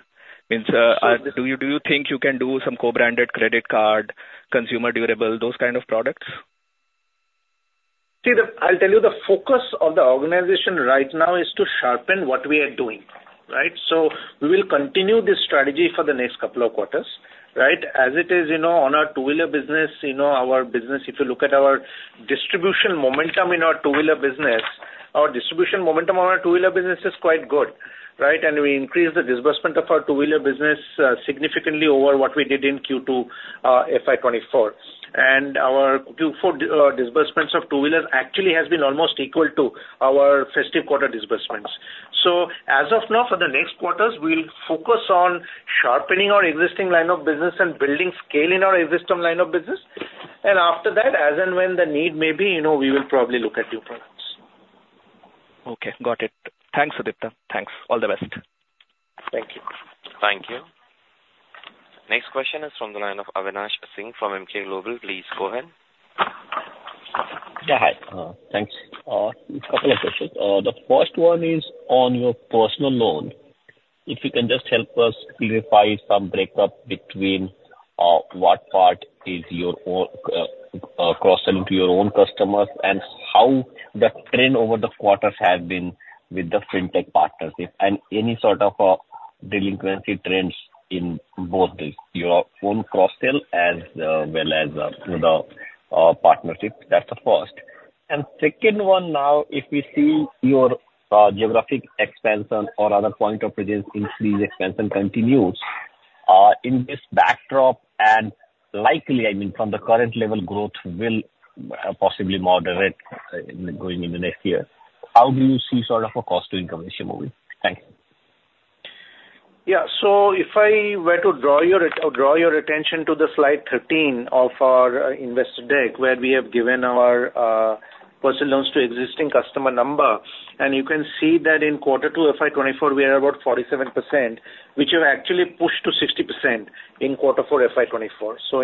I mean, do you think you can do some co-branded credit card, consumer durable, those kind of products? See, I'll tell you. The focus of the organization right now is to sharpen what we are doing, right? So we will continue this strategy for the next couple of quarters, right? As it is on our two-wheeler business, our business if you look at our distribution momentum in our two-wheeler business, our distribution momentum on our two-wheeler business is quite good, right? And we increased the disbursement of our two-wheeler business significantly over what we did in Q2 FY24. And our Q4 disbursements of two-wheelers actually have been almost equal to our festive quarter disbursements. So as of now, for the next quarters, we'll focus on sharpening our existing line of business and building scale in our existing line of business. And after that, as and when the need may be, we will probably look at new products. Okay. Got it. Thanks, Sudipta. Thanks. All the best. Thank you. Thank you. Next question is from the line of Avinash Singh from Emkay Global. Please go ahead. Yeah, hi. Thanks. A couple of questions. The first one is on your personal loan. If you can just help us clarify some breakdown between what part is your cross-selling to your own customers and how the trend over the quarters has been with the fintech partnership and any sort of delinquency trends in both this, your own cross-sale as well as the partnership. That's the first. And second one now, if we see your geographic expansion or other point of presence, if this expansion continues in this backdrop and likely, I mean, from the current level, growth will possibly moderate going into next year, how do you see sort of a cost-to-income ratio moving? Thanks. Yeah. So if I were to draw your attention to slide 13 of our investor deck where we have given our personal loans to existing customer number, and you can see that in quarter two FY24, we are about 47%, which have actually pushed to 60% in quarter four FY24. So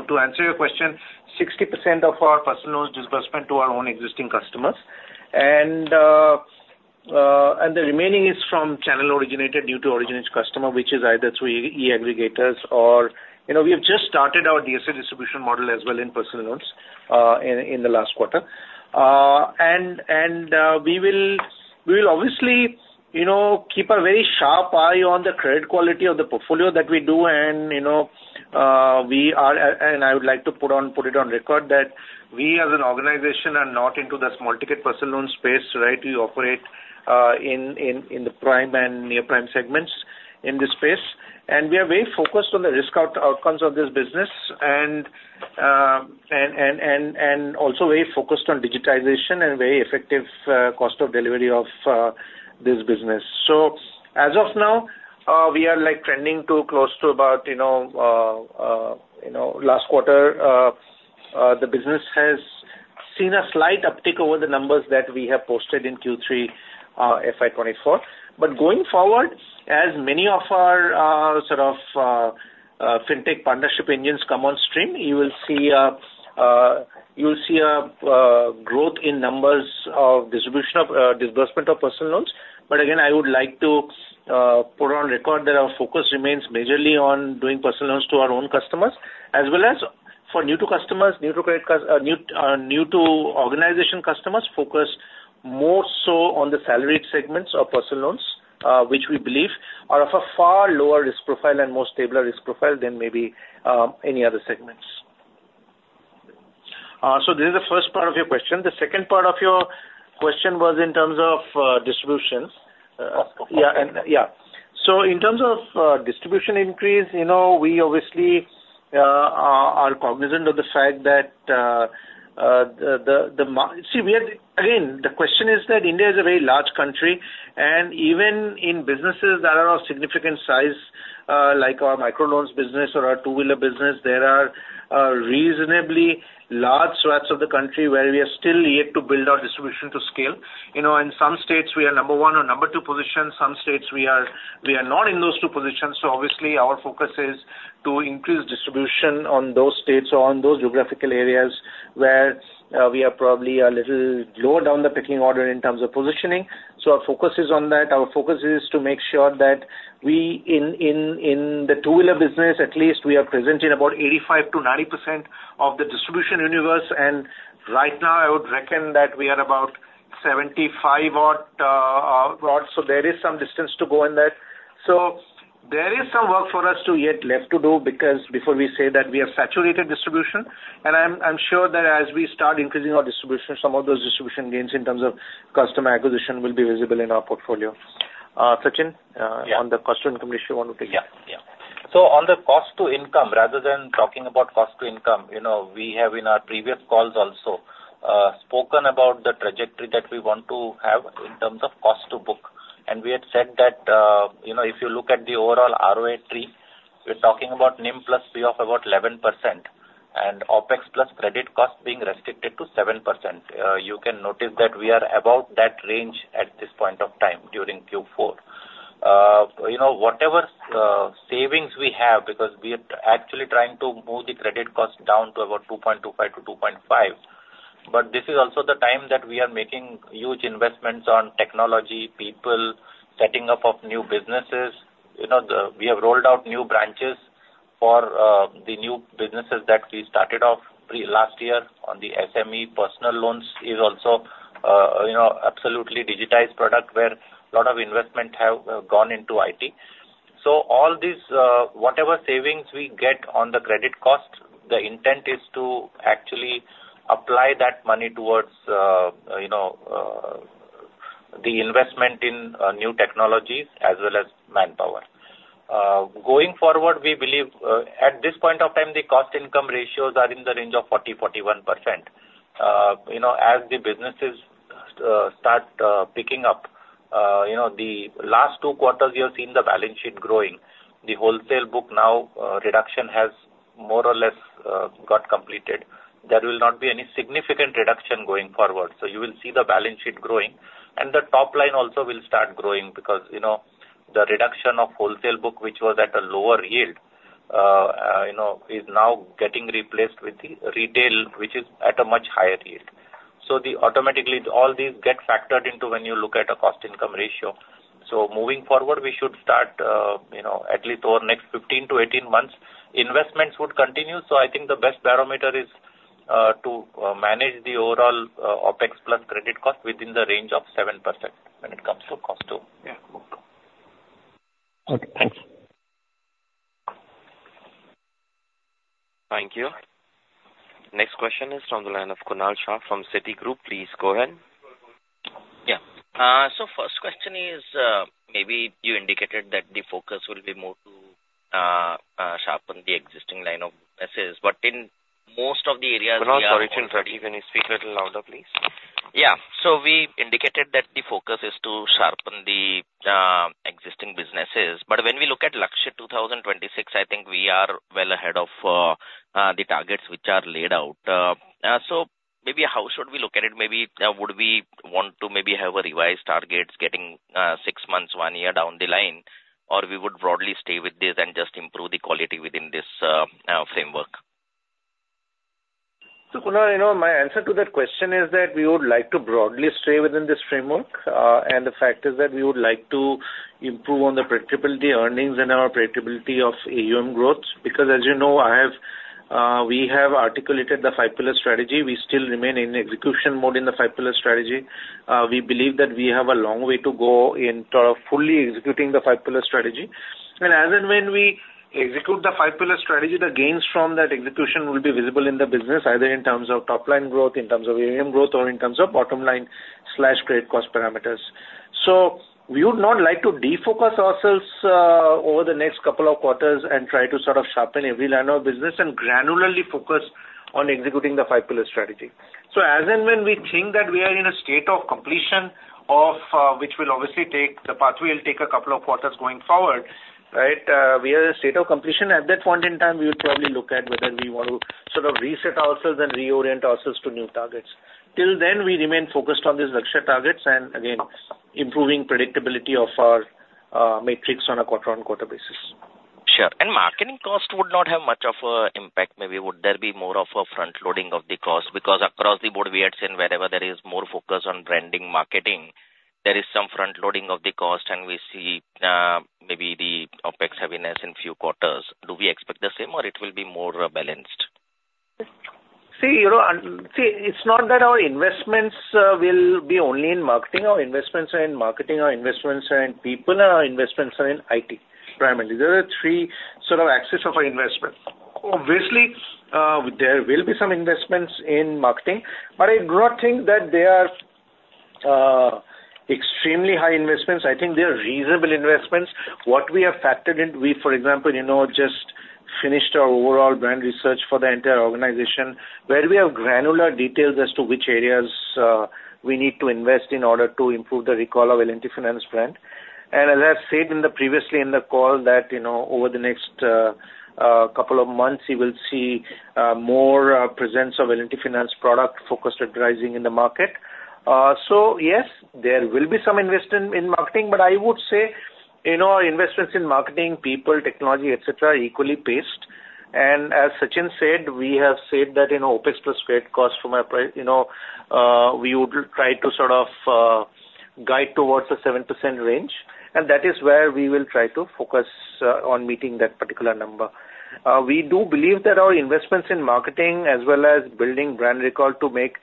to answer your question, 60% of our personal loans disbursement to our own existing customers. And the remaining is from channel-originated due to originated customer, which is either through e-aggregators or we have just started our DSA distribution model as well in personal loans in the last quarter. And we will obviously keep a very sharp eye on the credit quality of the portfolio that we do. And we are and I would like to put it on record that we, as an organization, are not into the small-ticket personal loan space, right? We operate in the prime and near-prime segments in this space. We are very focused on the risk outcomes of this business and also very focused on digitization and very effective cost of delivery of this business. As of now, we are trending to close to about last quarter. The business has seen a slight uptick over the numbers that we have posted in Q3 FY24. Going forward, as many of our sort of fintech partnership engines come on stream, you will see a growth in numbers of distribution of disbursement of personal loans. But again, I would like to put on record that our focus remains majorly on doing personal loans to our own customers as well as for new-to-credit customers, new-to-organization customers, focus more so on the salaried segments of personal loans, which we believe are of a far lower risk profile and more stable risk profile than maybe any other segments. So this is the first part of your question. The second part of your question was in terms of distribution. Last question. Yeah. Yeah. So in terms of distribution increase, we obviously are cognizant of the fact that you see, again, the question is that India is a very large country. And even in businesses that are of significant size like our microloans business or our two-wheeler business, there are reasonably large swaths of the country where we are still yet to build our distribution to scale. In some states, we are number one or number two position. Some states, we are not in those two positions. So obviously, our focus is to increase distribution on those states or on those geographical areas where we are probably a little lower down the picking order in terms of positioning. So our focus is on that. Our focus is to make sure that we, in the two-wheeler business at least, we are presenting about 85%-90% of the distribution universe. And right now, I would reckon that we are about 75 odd. So there is some distance to go in that. So there is some work for us yet left to do because before we say that, we have saturated distribution. And I'm sure that as we start increasing our distribution, some of those distribution gains in terms of customer acquisition will be visible in our portfolio. Sachinn, on the cost-to-income ratio, you want to take it? Yeah, yeah. So on the cost-to-income, rather than talking about cost-to-income, we have in our previous calls also spoken about the trajectory that we want to have in terms of cost-to-book. And we had said that if you look at the overall ROA tree, we're talking about NIM plus POF about 11% and OPEX plus credit cost being restricted to 7%. You can notice that we are about that range at this point of time during Q4. Whatever savings we have because we are actually trying to move the credit cost down to about 2.25-2.5. But this is also the time that we are making huge investments on technology, people, setting up of new businesses. We have rolled out new branches for the new businesses that we started off last year on the SME personal loans is also absolutely digitized product where a lot of investment have gone into IT. So all this, whatever savings we get on the credit cost, the intent is to actually apply that money towards the investment in new technologies as well as manpower. Going forward, we believe at this point of time, the cost-income ratios are in the range of 40%-41%. As the businesses start picking up, the last two quarters, you have seen the balance sheet growing. The wholesale book now reduction has more or less got completed. There will not be any significant reduction going forward. So you will see the balance sheet growing. The top line also will start growing because the reduction of wholesale book, which was at a lower yield, is now getting replaced with retail, which is at a much higher yield. So automatically, all these get factored into when you look at a cost-income ratio. So moving forward, we should start at least over next 15-18 months, investments would continue. So I think the best barometer is to manage the overall OPEX plus credit cost within the range of 7% when it comes to cost-to-book. Okay. Thanks. Thank you. Next question is from the line of Kunal Shah from Citigroup. Please go ahead. Yeah. So first question is maybe you indicated that the focus will be more to sharpen the existing line of businesses. But in most of the areas, we are. Kunal, sorry can you speak a little louder, please? Yeah. So we indicated that the focus is to sharpen the existing businesses. But when we look at Lakshya 2026, I think we are well ahead of the targets which are laid out. So maybe how should we look at it? Maybe would we want to maybe have a revised targets getting six months, one year down the line, or we would broadly stay with this and just improve the quality within this framework? So Kunal, my answer to that question is that we would like to broadly stay within this framework. And the fact is that we would like to improve on the predictability earnings and our predictability of AUM growth because, as you know, we have articulated the five-pillar strategy. We still remain in execution mode in the five-pillar strategy. We believe that we have a long way to go in sort of fully executing the five-pillar strategy. And as and when we execute the five-pillar strategy, the gains from that execution will be visible in the business either in terms of top-line growth, in terms of AUM growth, or in terms of bottom-line/credit cost parameters. So we would not like to defocus ourselves over the next couple of quarters and try to sort of sharpen every line of business and granularly focus on executing the five-pillar strategy. So as and when we think that we are in a state of completion of which will obviously take the pathway will take a couple of quarters going forward, right, we are in a state of completion. At that point in time, we would probably look at whether we want to sort of reset ourselves and reorient ourselves to new targets. Till then, we remain focused on these Lakshya targets and, again, improving predictability of our metrics on a quarter-on-quarter basis. Sure. Marketing cost would not have much of an impact. Maybe would there be more of a front-loading of the cost? Because across the board, we had seen wherever there is more focus on branding, marketing, there is some front-loading of the cost. We see maybe the OPEX heaviness in few quarters. Do we expect the same, or it will be more balanced? See, it's not that our investments will be only in marketing. Our investments are in marketing. Our investments are in people. Our investments are in IT primarily. Those are three sort of axes of our investments. Obviously, there will be some investments in marketing. But I do not think that they are extremely high investments. I think they are reasonable investments. What we have factored in, we, for example, just finished our overall brand research for the entire organization where we have granular details as to which areas we need to invest in order to improve the recall of L&T Finance brand. And as I said previously in the call, that over the next couple of months, you will see more presence of L&T Finance product-focused advertising in the market. So yes, there will be some investment in marketing. I would say our investments in marketing, people, technology, etc., are equally paced. As Sachin said, we have said that OPEX plus credit cost from our price, we would try to sort of guide towards a 7% range. That is where we will try to focus on meeting that particular number. We do believe that our investments in marketing as well as building brand recall to make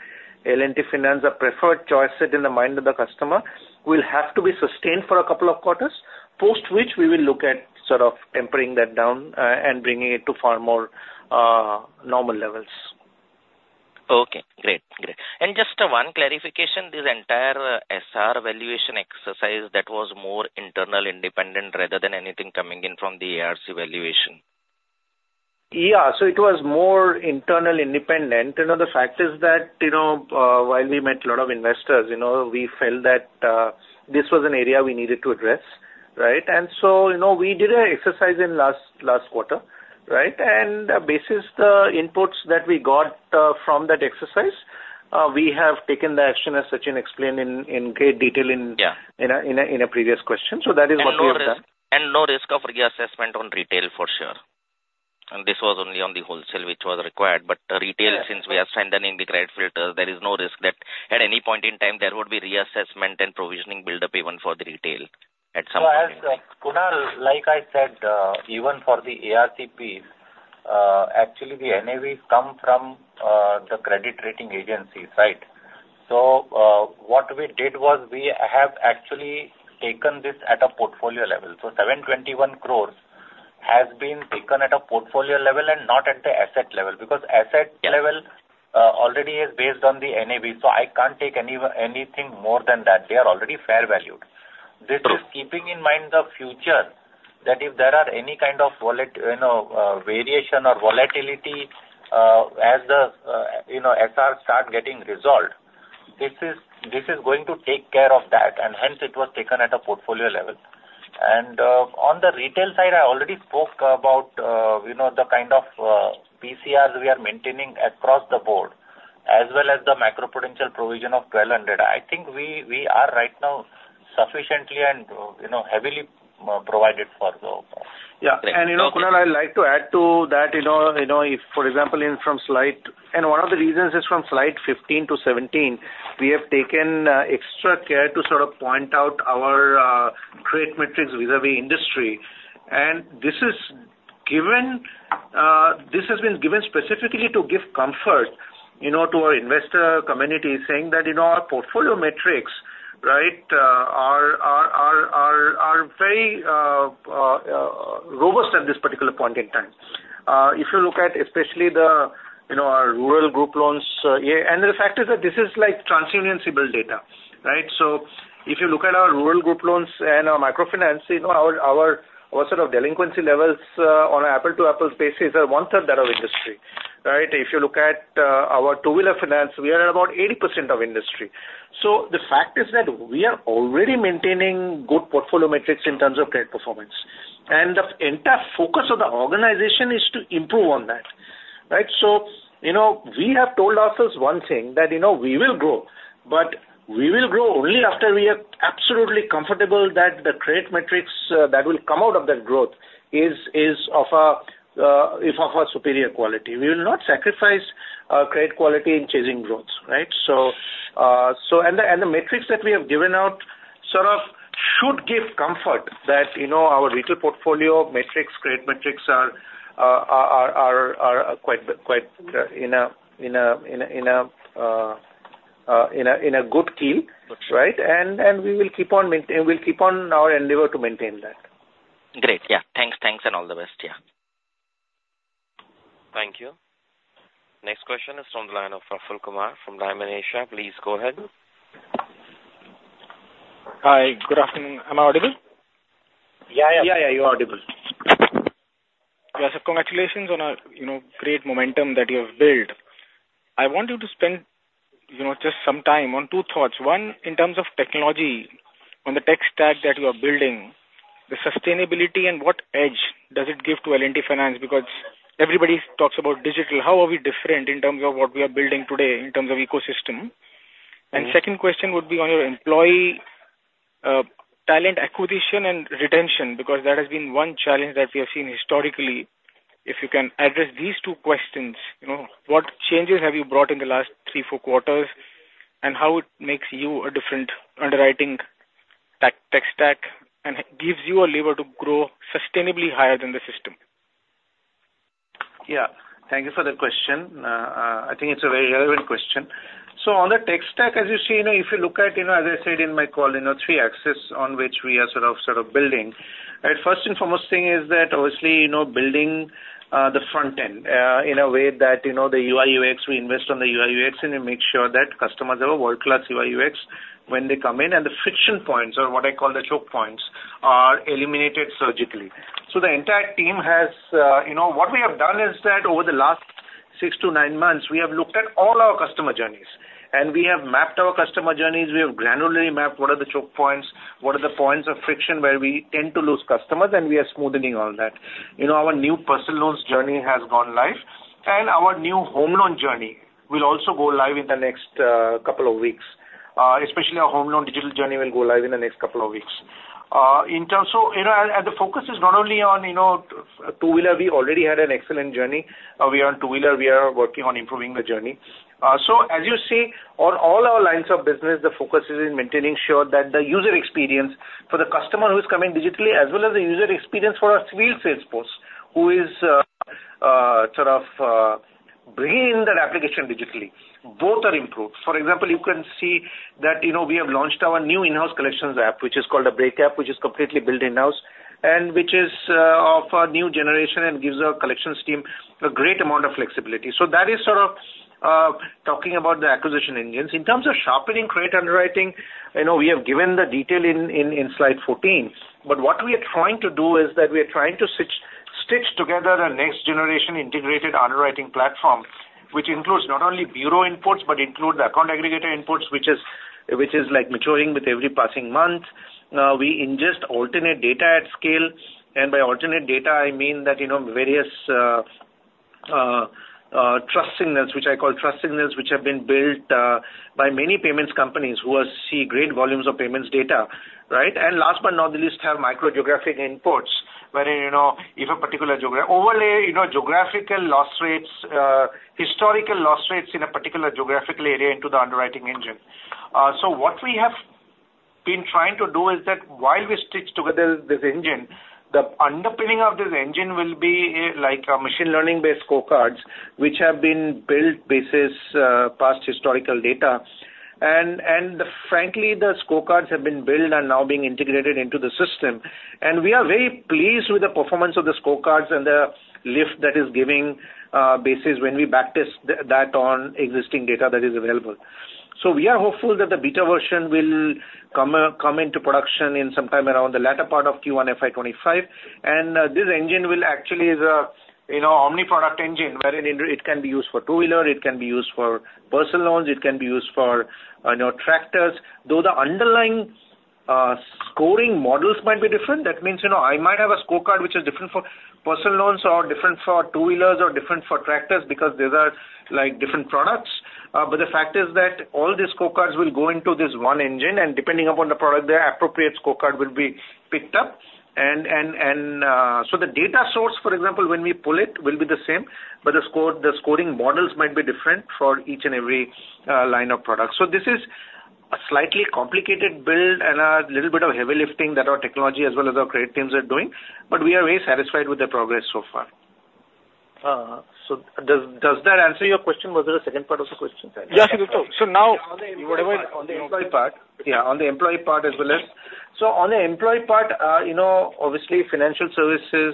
L&T Finance a preferred choice set in the mind of the customer will have to be sustained for a couple of quarters, post which we will look at sort of tempering that down and bringing it to far more normal levels. Okay. Great. Great. And just one clarification, this entire SR valuation exercise, that was more internal independent rather than anything coming in from the ARC valuation? Yeah. So it was more internal independent. The fact is that while we met a lot of investors, we felt that this was an area we needed to address, right? So we did an exercise in last quarter, right? And based on the inputs that we got from that exercise, we have taken the action, as Sachinn explained in great detail in a previous question. So that is what we have done. No risk of reassessment on retail, for sure. This was only on the wholesale, which was required. Retail, since we are strengthening the credit filter, there is no risk that at any point in time, there would be reassessment and provisioning buildup even for the retail at some point in time. So as Kunal, like I said, even for the ARC piece, actually, the NAVs come from the credit rating agencies, right? So what we did was we have actually taken this at a portfolio level. So 721 crore has been taken at a portfolio level and not at the asset level because asset level already is based on the NAV. So I can't take anything more than that. They are already fair valued. This is keeping in mind the future that if there are any kind of variation or volatility as the SR starts getting resolved, this is going to take care of that. And hence, it was taken at a portfolio level. And on the retail side, I already spoke about the kind of PCRs we are maintaining across the board as well as the macro-potential provision of 1,200 crore. I think we are right now sufficiently and heavily provided for the. Yeah. And Kunal, I'd like to add to that if, for example, from slide 15 to 17, we have taken extra care to sort of point out our credit metrics vis-à-vis industry. And this is given this has been given specifically to give comfort to our investor community saying that our portfolio metrics, right, are very robust at this particular point in time. If you look at especially our rural group loans and the fact is that this is TransUnion CIBIL data, right? So if you look at our rural group loans and our microfinance, our sort of delinquency levels on an apple-to-apple basis are one-third that of industry, right? If you look at our two-wheeler finance, we are at about 80% of industry. So the fact is that we are already maintaining good portfolio metrics in terms of credit performance. And the entire focus of the organization is to improve on that, right? So we have told ourselves one thing, that we will grow. But we will grow only after we are absolutely comfortable that the credit metrics that will come out of that growth is of a superior quality. We will not sacrifice credit quality in chasing growth, right? And the metrics that we have given out sort of should give comfort that our retail portfolio metrics, credit metrics are quite in a good keel, right? And we will keep on our endeavor to maintain that. Great. Yeah. Thanks. Thanks, and all the best. Yeah. Thank you. Next question is from the line of Praful Kumar from Dymon Asia. Please go ahead. Hi. Good afternoon. Am I audible? Yeah, yeah. Yeah, yeah. You're audible. Yasser, congratulations on a great momentum that you have built. I want you to spend just some time on two thoughts. One, in terms of technology, on the tech stack that you are building, the sustainability and what edge does it give to L&T Finance because everybody talks about digital. How are we different in terms of what we are building today in terms of ecosystem? And second question would be on your employee talent acquisition and retention because that has been one challenge that we have seen historically. If you can address these two questions, what changes have you brought in the last three, four quarters, and how it makes you a different underwriting tech stack and gives you a lever to grow sustainably higher than the system? Yeah. Thank you for the question. I think it's a very relevant question. So on the tech stack, as you see, if you look at, as I said in my call, three axes on which we are sort of building, right, first and foremost thing is that, obviously, building the front end in a way that the UI/UX we invest on the UI/UX and we make sure that customers have a world-class UI/UX when they come in. And the friction points or what I call the choke points are eliminated surgically. So the entire team has, what we have done is that, over the last 6-9 months, we have looked at all our customer journeys. And we have mapped our customer journeys. We have granularly mapped what are the choke points, what are the points of friction where we tend to lose customers, and we are smoothening all that. Our new personal loans journey has gone live. Our new home loan journey will also go live in the next couple of weeks. Especially, our home loan digital journey will go live in the next couple of weeks. The focus is not only on two-wheeler. We already had an excellent journey. We are on two-wheeler. We are working on improving the journey. As you see, on all our lines of business, the focus is in maintaining sure that the user experience for the customer who is coming digitally as well as the user experience for our field salesperson who is sort of bringing in that application digitally, both are improved. For example, you can see that we have launched our new in-house collections app, which is called a Break app, which is completely built in-house and which is of a new generation and gives our collections team a great amount of flexibility. So that is sort of talking about the acquisition engines. In terms of sharpening credit underwriting, we have given the detail in slide 14. But what we are trying to do is that we are trying to stitch together a next-generation integrated underwriting platform which includes not only bureau inputs but includes the account aggregator inputs, which is maturing with every passing month. We ingest alternate data at scale. And by alternate data, I mean that various trust signals, which I call trust signals, which have been built by many payments companies who see great volumes of payments data, right? And, last but not the least, have micro-geographic inputs wherein if a particular overlay geographical loss rates, historical loss rates in a particular geographical area into the underwriting engine. So what we have been trying to do is that while we stitch together this engine, the underpinning of this engine will be machine learning-based scorecards which have been built based on past historical data. And frankly, the scorecards have been built and now being integrated into the system. And we are very pleased with the performance of the scorecards and the lift that it's giving based when we backtest that on existing data that is available. So we are hopeful that the beta version will come into production in some time around the latter part of Q1 FY 2025. And this engine will actually is an omni-product engine wherein it can be used for two-wheeler. It can be used for personal loans. It can be used for tractors. Though the underlying scoring models might be different, that means I might have a scorecard which is different for personal loans or different for two-wheelers or different for tractors because those are different products. But the fact is that all these scorecards will go into this one engine. And depending upon the product, the appropriate scorecard will be picked up. And so the data source, for example, when we pull it, will be the same. But the scoring models might be different for each and every line of product. So this is a slightly complicated build and a little bit of heavy lifting that our technology as well as our credit teams are doing. But we are very satisfied with the progress so far. So does that answer your question? Was there a second part of the question? Yeah, So now whatever on the employee part yeah, on the employee part as well as so on the employee part, obviously, financial services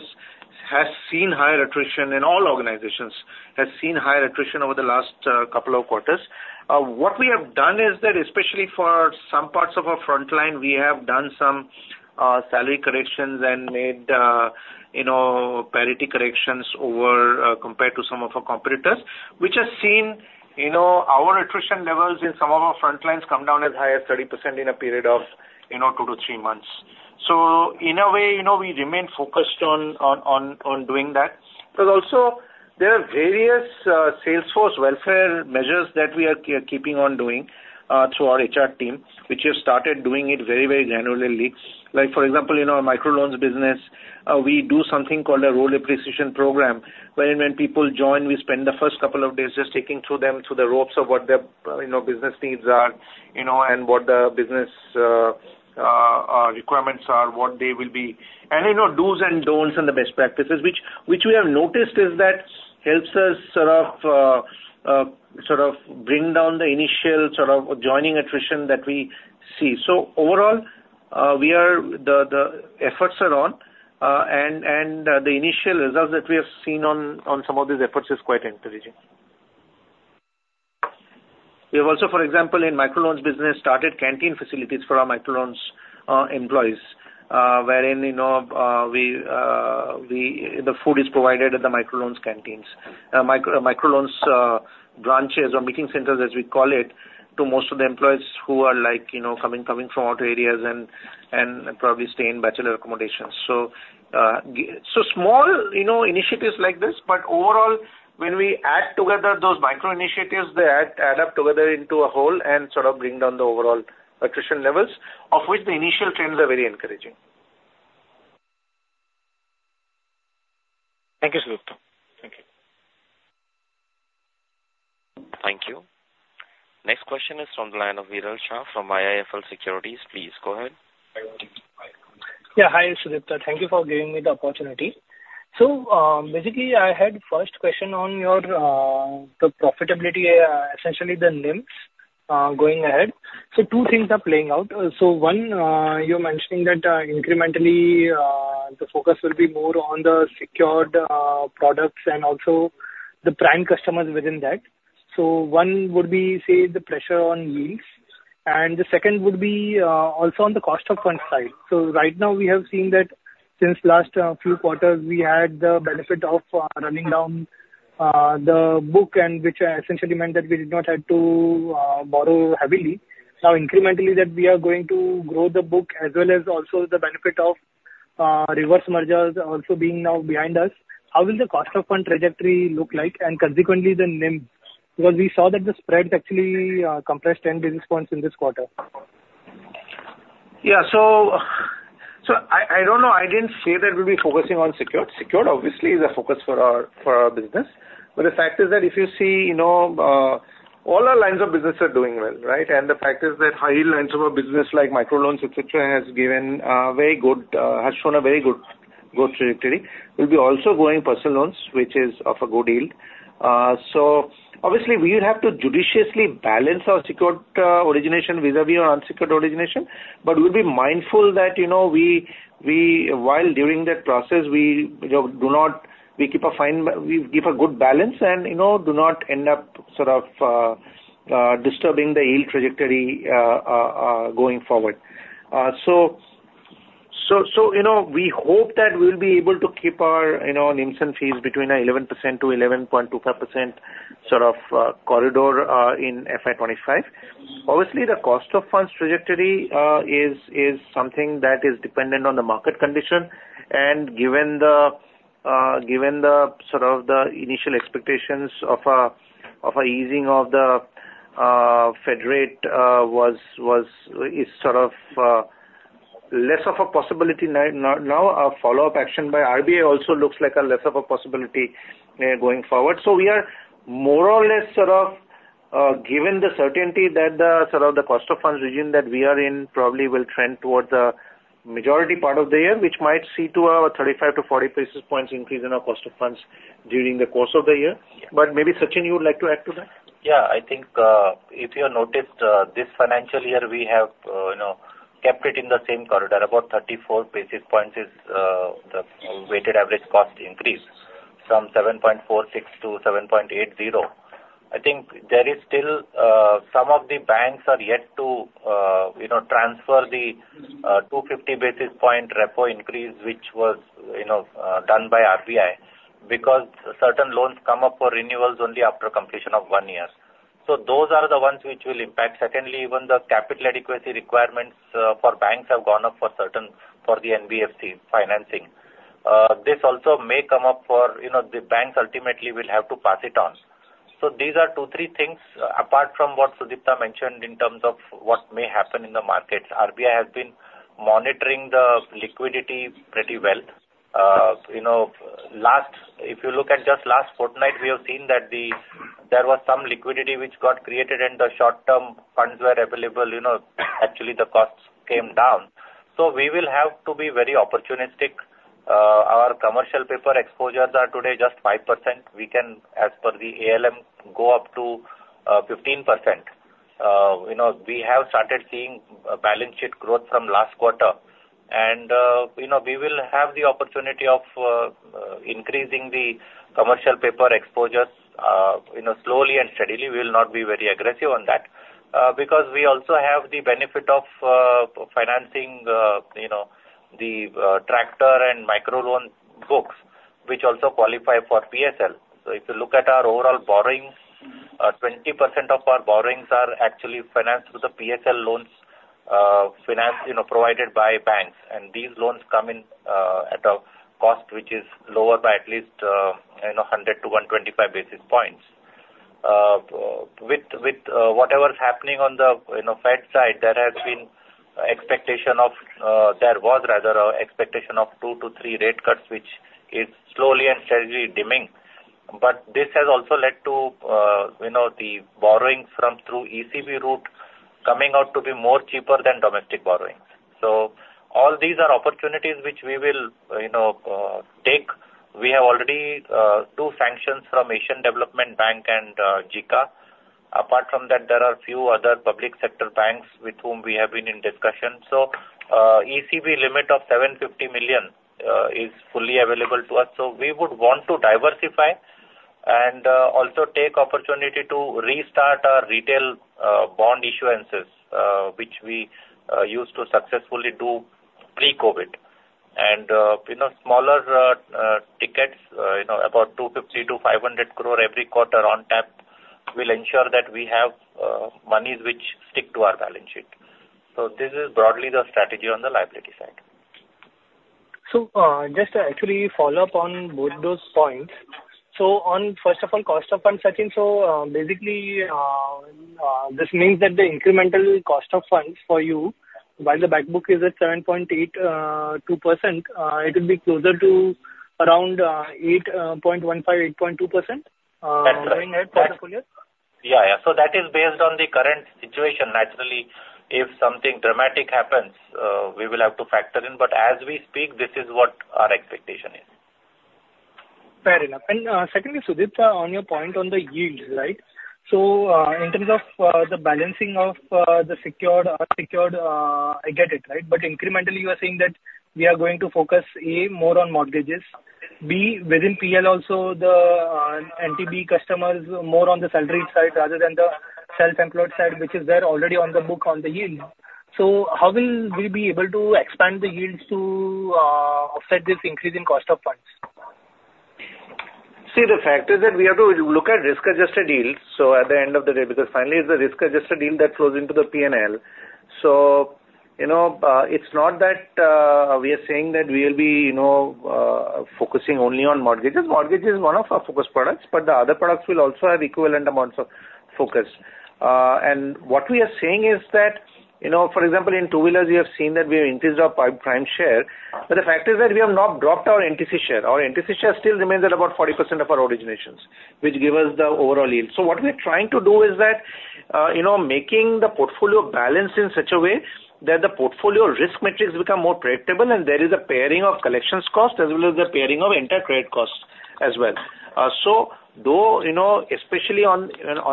has seen higher attrition. All organizations have seen higher attrition over the last couple of quarters. What we have done is that especially for some parts of our front line, we have done some salary corrections and made parity corrections compared to some of our competitors, which has seen our attrition levels in some of our front lines come down as high as 30% in a period of 2-3 months. So in a way, we remain focused on doing that. But also, there are various sales force welfare measures that we are keeping on doing through our HR team, which have started doing it very, very granularly. For example, our microloans business, we do something called a role appreciation program wherein when people join, we spend the first couple of days just taking them through the ropes of what their business needs are and what the business requirements are, what they will be and do's and don'ts and the best practices, which we have noticed is that helps us sort of bring down the initial sort of joining attrition that we see. So overall, the efforts are on. And the initial results that we have seen on some of these efforts is quite encouraging. We have also, for example, in microloans business, started canteen facilities for our microloans employees wherein the food is provided at the microloans canteens, microloans branches or meeting centers, as we call it, to most of the employees who are coming from outer areas and probably stay in bachelor accommodations. So small initiatives like this. But overall, when we add together those micro-initiatives, they add up together into a whole and sort of bring down the overall attrition levels, of which the initial trends are very encouraging. Thank you, Sudipta. Thank you. Thank you. Next question is from the line of Viral Shah from IIFL Securities. Please go ahead. Yeah. Hi, Sudipta. Thank you for giving me the opportunity. Basically, I had first question on the profitability, essentially the NIMS going ahead. Two things are playing out. One, you're mentioning that incrementally, the focus will be more on the secured products and also the prime customers within that. One would be, say, the pressure on yields. And the second would be also on the cost of fund side. Right now, we have seen that since last few quarters, we had the benefit of running down the book, which essentially meant that we did not have to borrow heavily. Now, incrementally, that we are going to grow the book as well as also the benefit of reverse mergers also being now behind us, how will the cost of fund trajectory look like and consequently, the NIMS? Because we saw that the spread actually compressed 10 basis points in this quarter. Yeah. So I don't know. I didn't say that we'll be focusing on secured. Secured, obviously, is a focus for our business. But the fact is that if you see all our lines of business are doing well, right? And the fact is that high-yield lines of our business like microloans, etc., has shown a very good trajectory. We'll be also going personal loans, which is of a good yield. So obviously, we will have to judiciously balance our secured origination vis-à-vis our unsecured origination. But we'll be mindful that while during that process, we keep a fine we give a good balance and do not end up sort of disturbing the yield trajectory going forward. So we hope that we'll be able to keep our NIMS and fees between an 11%-11.25% sort of corridor in FY25. Obviously, the cost of funds trajectory is something that is dependent on the market condition. Given the sort of the initial expectations of an easing of the Fed rate is sort of less of a possibility now. A follow-up action by RBI also looks like less of a possibility going forward. So we are more or less sort of given the certainty that sort of the cost of funds region that we are in probably will trend towards the majority part of the year, which might see a 35-40 basis points increase in our cost of funds during the course of the year. But maybe, Sachinn, you would like to add to that? Yeah. I think if you have noticed, this financial year, we have kept it in the same corridor. About 34 basis points is the weighted average cost increase from 7.46 to 7.80. I think there is still some of the banks are yet to transfer the 250 basis point repo increase, which was done by RBI because certain loans come up for renewals only after completion of one year. So those are the ones which will impact. Secondly, even the capital adequacy requirements for banks have gone up for the NBFC financing. This also may come up for the banks ultimately will have to pass it on. So these are two, three things apart from what Sudipta mentioned in terms of what may happen in the markets. RBI has been monitoring the liquidity pretty well. If you look at just last fortnight, we have seen that there was some liquidity which got created. The short-term funds were available. Actually, the costs came down. We will have to be very opportunistic. Our commercial paper exposures are today just 5%. We can, as per the ALM, go up to 15%. We have started seeing balance sheet growth from last quarter. We will have the opportunity of increasing the commercial paper exposures slowly and steadily. We will not be very aggressive on that because we also have the benefit of financing the tractor and microloan books, which also qualify for PSL. If you look at our overall borrowings, 20% of our borrowings are actually financed through the PSL loans provided by banks. These loans come in at a cost which is lower by at least 100-125 basis points. With whatever's happening on the Fed side, there has been, rather, an expectation of 2-3 rate cuts, which is slowly and steadily dimming. But this has also led to the borrowings through ECB route coming out to be more cheaper than domestic borrowings. So all these are opportunities which we will take. We have already two sanctions from Asian Development Bank and JICA. Apart from that, there are a few other public sector banks with whom we have been in discussion. So ECB limit of $750 million is fully available to us. So we would want to diversify and also take opportunity to restart our retail bond issuances, which we used to successfully do pre-COVID. Smaller tickets, about 250 crore-500 crore every quarter on tap, will ensure that we have monies which stick to our balance sheet. So this is broadly the strategy on the liability side. So just to actually follow up on both those points. So first of all, cost of fund, Sachinn, so basically, this means that the incremental cost of funds for you, while the backbook is at 7.82%, it will be closer to around 8.15%-8.2% during that portfolio? Yeah. Yeah. So that is based on the current situation. Naturally, if something dramatic happens, we will have to factor in. But as we speak, this is what our expectation is. Fair enough. And secondly, Sudipta, on your point on the yields, right? So in terms of the balancing of the secured I get it, right? But incrementally, you are saying that we are going to focus, A, more on mortgages, B, within PL also, the NTB customers, more on the salaried side rather than the self-employed side, which is there already on the book on the yields. So how will we be able to expand the yields to offset this increase in cost of funds? See, the fact is that we have to look at risk-adjusted yields at the end of the day because finally, it's a risk-adjusted yield that flows into the P&L. So it's not that we are saying that we will be focusing only on mortgages. Mortgage is one of our focus products. But the other products will also have equivalent amounts of focus. And what we are saying is that, for example, in two-wheelers, we have seen that we have increased our prime share. But the fact is that we have not dropped our NTC share. Our NTC share still remains at about 40% of our originations, which gives us the overall yield. So what we are trying to do is that making the portfolio balanced in such a way that the portfolio risk metrics become more predictable. There is a pairing of collections cost as well as a pairing of intercredit costs as well. So though, especially on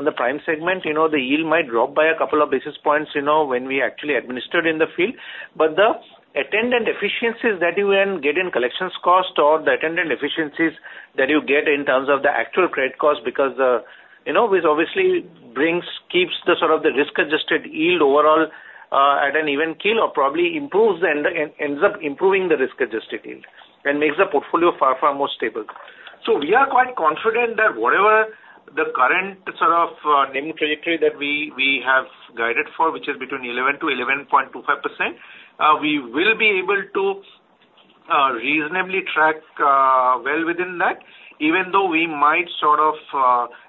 the prime segment, the yield might drop by a couple of basis points when we actually administered in the field. But the attendant efficiencies that you can get in collections cost or the attendant efficiencies that you get in terms of the actual credit cost because which obviously keeps sort of the risk-adjusted yield overall at an even keel or probably ends up improving the risk-adjusted yield and makes the portfolio far, far more stable. We are quite confident that whatever the current sort of NIM trajectory that we have guided for, which is between 11%-11.25%, we will be able to reasonably track well within that even though we might sort of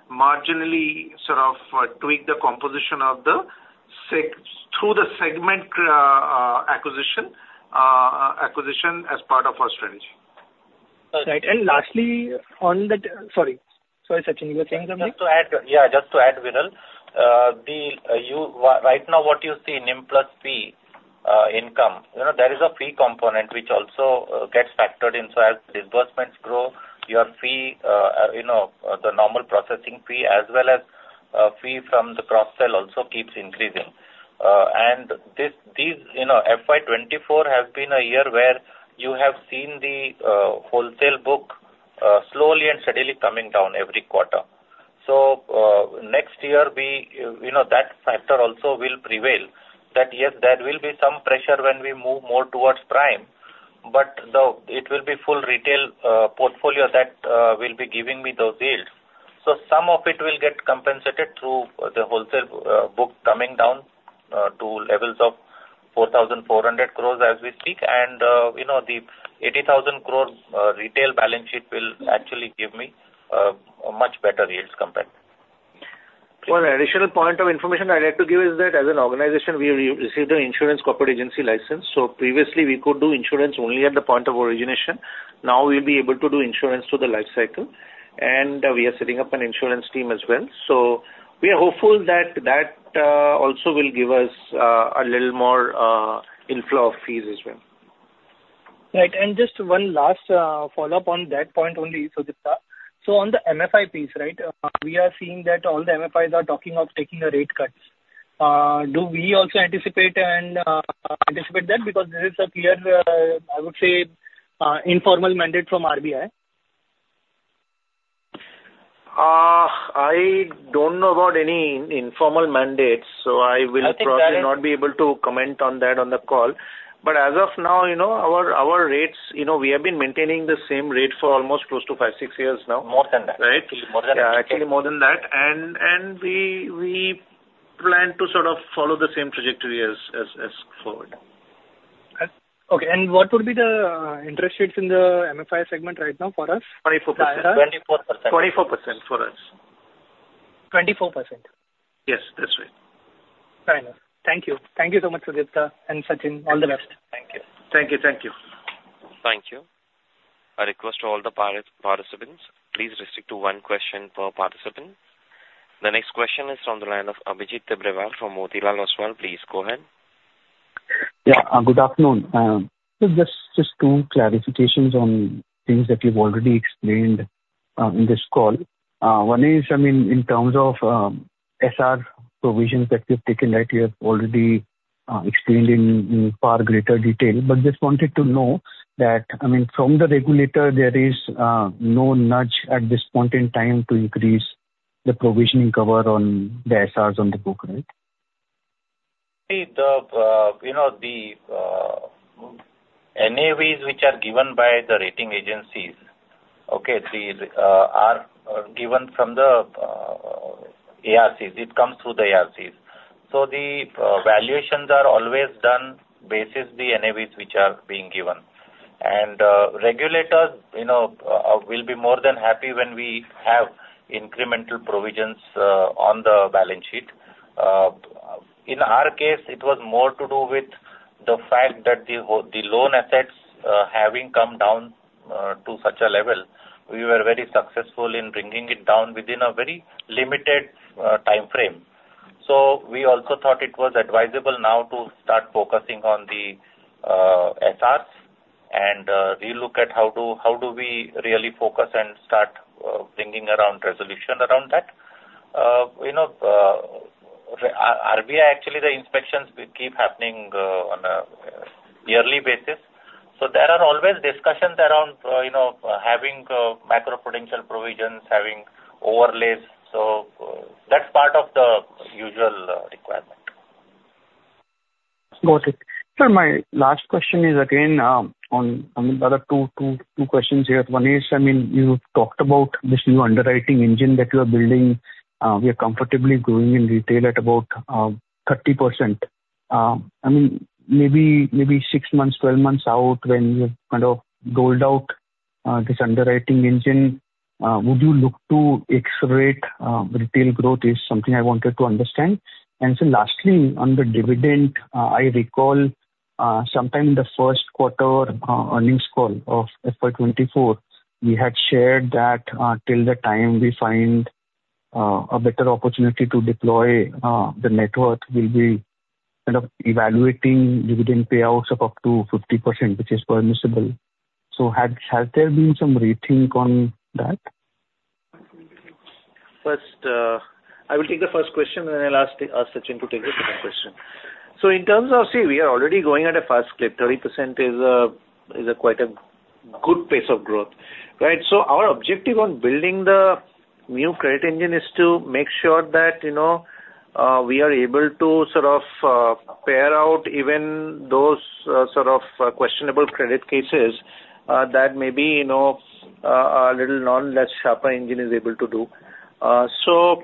marginally sort of tweak the composition through the segment acquisition as part of our strategy. Right. And lastly, on that, sorry. Sorry, Sachinn, you were saying something? Just to add yeah. Just to add, Viral, right now, what you see, NIM plus fee income, there is a fee component which also gets factored in. So as disbursements grow, your fee, the normal processing fee, as well as fee from the cross-sell also keeps increasing. And FY2024 has been a year where you have seen the wholesale book slowly and steadily coming down every quarter. So next year, that factor also will prevail. That yes, there will be some pressure when we move more towards prime. But it will be full retail portfolio that will be giving me those yields. So some of it will get compensated through the wholesale book coming down to levels of 4,400 crore as we speak. And the 80,000 crore retail balance sheet will actually give me much better yields compared. One additional point of information I'd like to give is that as an organization, we received an insurance corporate agency license. So previously, we could do insurance only at the point of origination. Now, we'll be able to do insurance through the life cycle. And we are setting up an insurance team as well. So we are hopeful that that also will give us a little more inflow of fees as well. Right. And just one last follow-up on that point only, Sudipta. So on the MFI piece, right, we are seeing that all the MFIs are talking of taking a rate cut. Do we also anticipate that because this is a clear, I would say, informal mandate from RBI? I don't know about any informal mandates. So I will probably not be able to comment on that on the call. But as of now, our rates, we have been maintaining the same rate for almost close to 5-6 years now. More than that. Right? Actually, more than that. Yeah. Actually, more than that. We plan to sort of follow the same trajectory as forward. Okay. What would be the interest rates in the MFI segment right now for us? 24%. 24%. 24% for us. 24%. Yes. That's right. Fair enough. Thank you. Thank you so much, Sudipta and Sachinn. All the best. Thank you. Thank you. Thank you. Thank you. A request to all the participants. Please restrict to one question per participant. The next question is from the line of Abhijit Tibrewal from Motilal Oswal. Please go ahead. Yeah. Good afternoon. Just two clarifications on things that you've already explained in this call. One is, I mean, in terms of SR provisions that you've taken, right, you have already explained in far greater detail. But just wanted to know that, I mean, from the regulator, there is no nudge at this point in time to increase the provisioning cover on the SRs on the book, right? See, the NAVs which are given by the rating agencies, okay, are given from the ARCs. It comes through the ARCs. So the valuations are always done based on the NAVs which are being given. And regulators will be more than happy when we have incremental provisions on the balance sheet. In our case, it was more to do with the fact that the loan assets having come down to such a level, we were very successful in bringing it down within a very limited time frame. So we also thought it was advisable now to start focusing on the SRs and relook at how do we really focus and start bringing around resolution around that. RBI, actually, the inspections keep happening on a yearly basis. So there are always discussions around having macroprudential provisions, having overlays. So that's part of the usual requirement. Got it. Sir, my last question is again on. I mean, there are two questions here. One is, I mean, you've talked about this new underwriting engine that you are building. We are comfortably growing in retail at about 30%. I mean, maybe 6 months, 12 months out when you've kind of rolled out this underwriting engine, would you look to accelerate retail growth? It's something I wanted to understand. And so lastly, on the dividend, I recall sometime in the Q1 earnings call of FY2024, we had shared that till the time we find a better opportunity to deploy the network, we'll be kind of evaluating dividend payouts of up to 50%, which is permissible. So has there been some rethink on that? First, I will take the first question. Then I'll ask Sachinn to take the second question. So in terms of see, we are already going at a fast clip. 30% is quite a good pace of growth, right? So our objective on building the new credit engine is to make sure that we are able to sort of pare out even those sort of questionable credit cases that maybe a little less sharp engine is able to do. So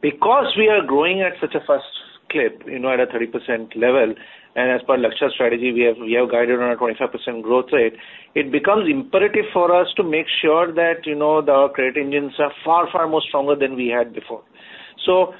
because we are growing at such a fast clip, at a 30% level, and as per Lakshya's strategy, we have guided on a 25% growth rate, it becomes imperative for us to make sure that our credit engines are far, far more stronger than we had before. So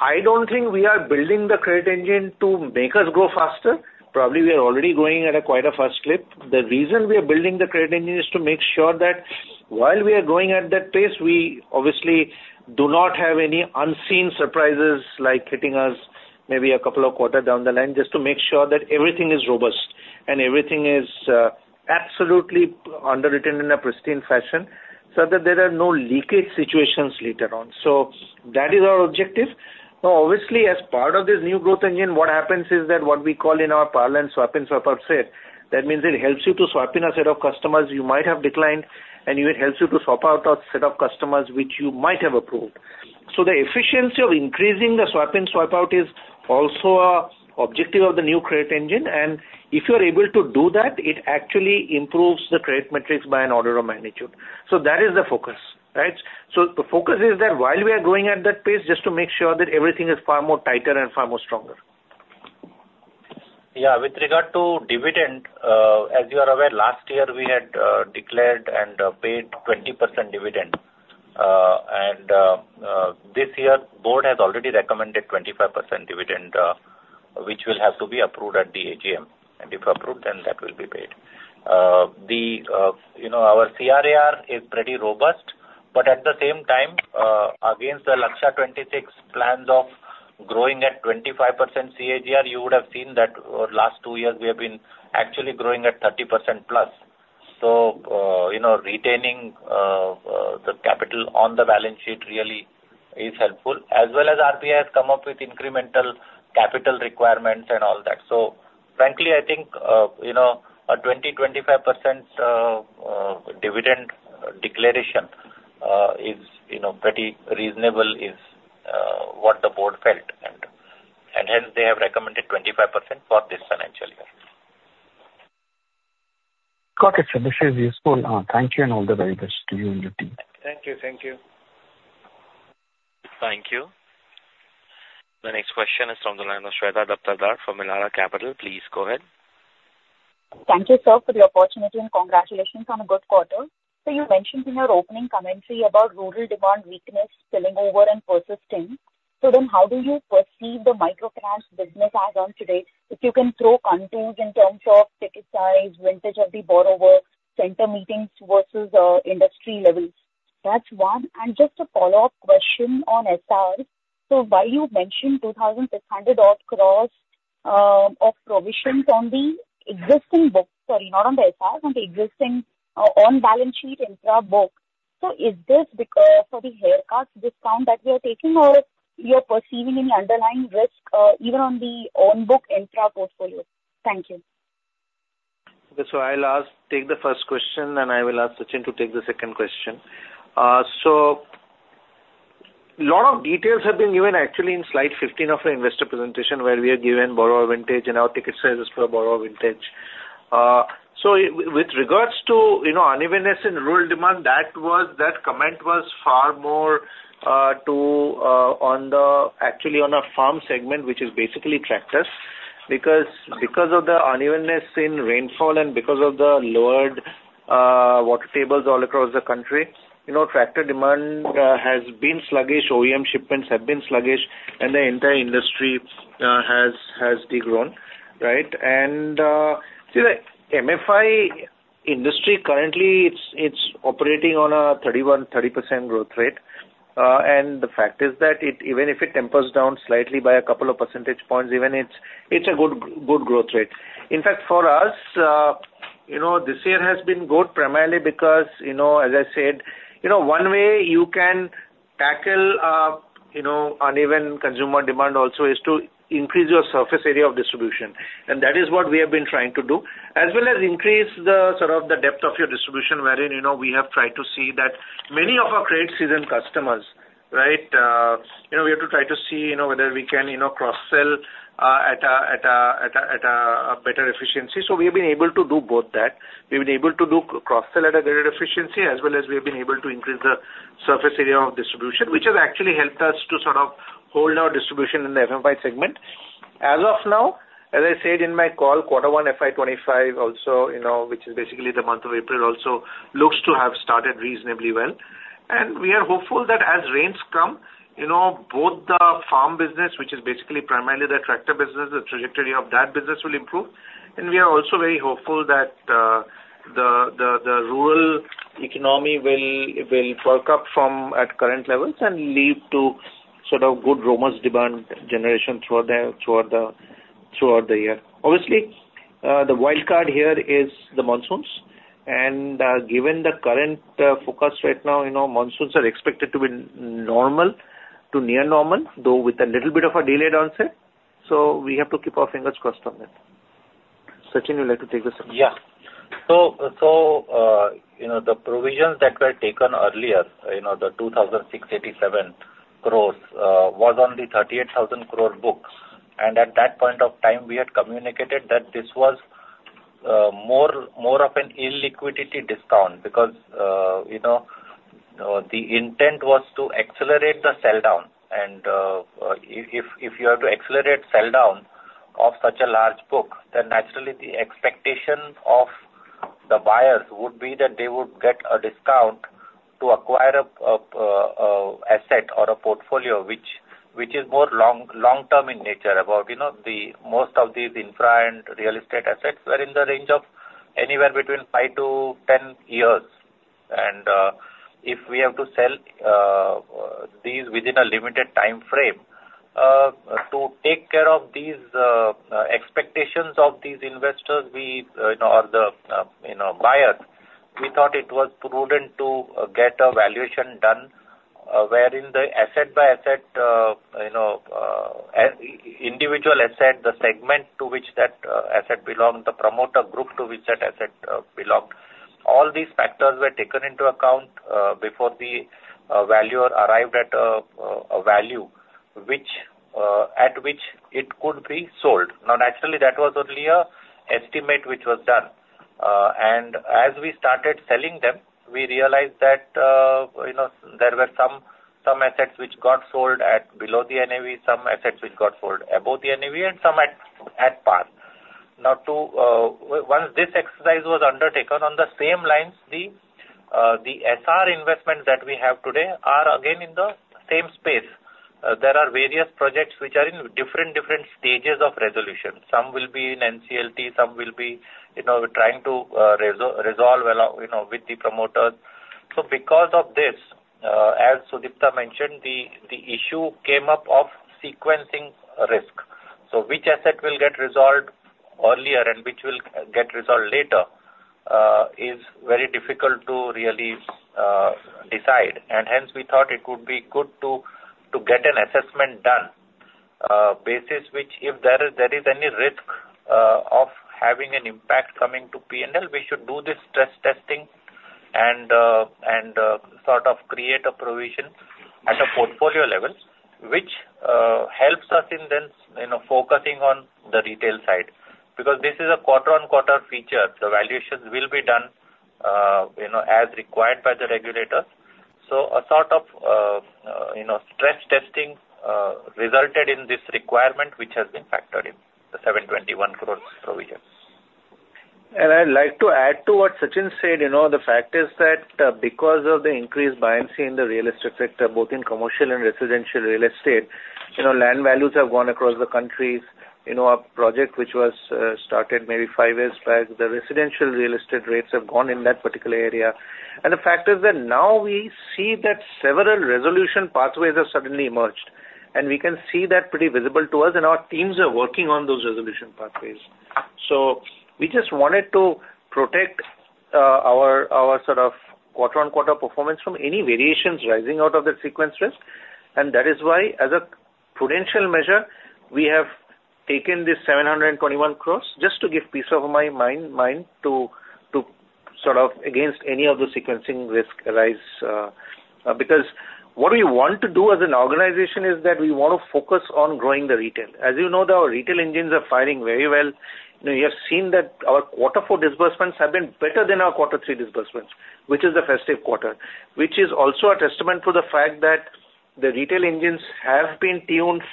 I don't think we are building the credit engine to make us grow faster. Probably, we are already growing at quite a fast clip. The reason we are building the credit engine is to make sure that while we are going at that pace, we obviously do not have any unseen surprises like hitting us maybe a couple of quarters down the line just to make sure that everything is robust and everything is absolutely underwritten in a pristine fashion so that there are no leakage situations later on. So that is our objective. Now, obviously, as part of this new growth engine, what happens is that what we call in our parlance, swap-in, swap-out, said, that means it helps you to swap in a set of customers you might have declined. It helps you to swap out a set of customers which you might have approved. So the efficiency of increasing the swap-in, swap-out is also an objective of the new credit engine. And if you are able to do that, it actually improves the credit metrics by an order of magnitude. So that is the focus, right? So the focus is that while we are going at that pace, just to make sure that everything is far more tighter and far more stronger. Yeah. With regard to dividend, as you are aware, last year, we had declared and paid 20% dividend. This year, board has already recommended 25% dividend, which will have to be approved at the AGM. If approved, then that will be paid. Our CRAR is pretty robust. At the same time, against the Lakshya 2026 plans of growing at 25% CAGR, you would have seen that over the last two years, we have been actually growing at 30% plus. Retaining the capital on the balance sheet really is helpful as well as RBI has come up with incremental capital requirements and all that. Frankly, I think a 20%-25% dividend declaration is pretty reasonable is what the board felt. Hence, they have recommended 25% for this financial year. Got it, sir. This is useful. Thank you and all the very best to you and your team. Thank you. Thank you. Thank you. The next question is from the line of Shweta Daptardar from Elara Capital. Please go ahead. Thank you, sir, for the opportunity. Congratulations on a good quarter. You mentioned in your opening commentary about rural demand weakness, spilling over, and persisting. How do you perceive the microfinance business as of today if you can throw contours in terms of ticket size, vintage of the borrower, center meetings versus industry levels? That's one. Just a follow-up question on SR. While you mentioned 2,600-odd crore of provisions on the existing book sorry, not on the SR, on the existing on-balance sheet intra-book, so is this because of the haircut discount that we are taking or you're perceiving any underlying risk even on the on-book intra-portfolio? Thank you. Okay. So I'll take the first question. And I will ask Sachinn to take the second question. So a lot of details have been given, actually, in slide 15 of the investor presentation where we are given borrower vintage and our ticket sizes for borrower vintage. So with regards to unevenness in rural demand, that comment was far more actually on a farm segment, which is basically tractors because of the unevenness in rainfall and because of the lowered water tables all across the country. Tractor demand has been sluggish. OEM shipments have been sluggish. And the entire industry has degrown, right? And see, the MFI industry, currently, it's operating on a 31%-30% growth rate. And the fact is that even if it tempers down slightly by a couple of percentage points, even it's a good growth rate. In fact, for us, this year has been good primarily because, as I said, one way you can tackle uneven consumer demand also is to increase your surface area of distribution. That is what we have been trying to do as well as increase sort of the depth of your distribution wherein we have tried to see that many of our credit seasoned customers, right, we have to try to see whether we can cross-sell at a better efficiency. We have been able to do both that. We've been able to do cross-sell at a greater efficiency as well as we have been able to increase the surface area of distribution, which has actually helped us to sort of hold our distribution in the MFI segment. As of now, as I said in my call, quarter one FY25 also, which is basically the month of April also, looks to have started reasonably well. We are hopeful that as rains come, both the farm business, which is basically primarily the tractor business, the trajectory of that business will improve. We are also very hopeful that the rural economy will perk up from the current levels and lead to sort of good rural demand generation throughout the year. Obviously, the wild card here is the monsoons. Given the current forecast right now, monsoons are expected to be normal to near normal, though with a little bit of a delayed onset. So we have to keep our fingers crossed on that. Sachinn, you'd like to take the second question? Yeah. So the provisions that were taken earlier, the 2,687 crore, was on the 38,000 crore book. And at that point of time, we had communicated that this was more of an illiquidity discount because the intent was to accelerate the sell-down. And if you have to accelerate sell-down of such a large book, then naturally, the expectation of the buyers would be that they would get a discount to acquire an asset or a portfolio, which is more long-term in nature. About most of these infra and real estate assets were in the range of anywhere between 5-10 years. If we have to sell these within a limited time frame, to take care of these expectations of these investors or the buyers, we thought it was prudent to get a valuation done wherein the asset-by-asset, individual asset, the segment to which that asset belonged, the promoter group to which that asset belonged, all these factors were taken into account before the valuer arrived at a value at which it could be sold. Now, naturally, that was only an estimate which was done. And as we started selling them, we realized that there were some assets which got sold below the NAV, some assets which got sold above the NAV, and some at par. Now, once this exercise was undertaken, on the same lines, the SR investments that we have today are again in the same space. There are various projects which are in different, different stages of resolution. Some will be in NCLT. Some will be trying to resolve with the promoters. So because of this, as Sudipta mentioned, the issue came up of sequencing risk. So which asset will get resolved earlier and which will get resolved later is very difficult to really decide. And hence, we thought it would be good to get an assessment done basis which if there is any risk of having an impact coming to P&L, we should do this stress testing and sort of create a provision at a portfolio level, which helps us in then focusing on the retail side because this is a quarter-on-quarter feature. The valuations will be done as required by the regulators. So a sort of stress testing resulted in this requirement, which has been factored in the 721 crore provision. And I'd like to add to what Sachinn said. The fact is that because of the increased buoyancy in the real estate sector, both in commercial and residential real estate, land values have gone across the countries. A project which was started maybe five years back, the residential real estate rates have gone in that particular area. And the fact is that now we see that several resolution pathways have suddenly emerged. And we can see that pretty visible to us. And our teams are working on those resolution pathways. So we just wanted to protect our sort of quarter-on-quarter performance from any variations rising out of the sequence risk. That is why, as a prudential measure, we have taken this 721 crore just to give peace of mind to sort of against any of the sequencing risk arise because what we want to do as an organization is that we want to focus on growing the retail. As you know, our retail engines are firing very well. You have seen that our quarter four disbursements have been better than our quarter three disbursements, which is the festive quarter, which is also a testament to the fact that the retail engines have been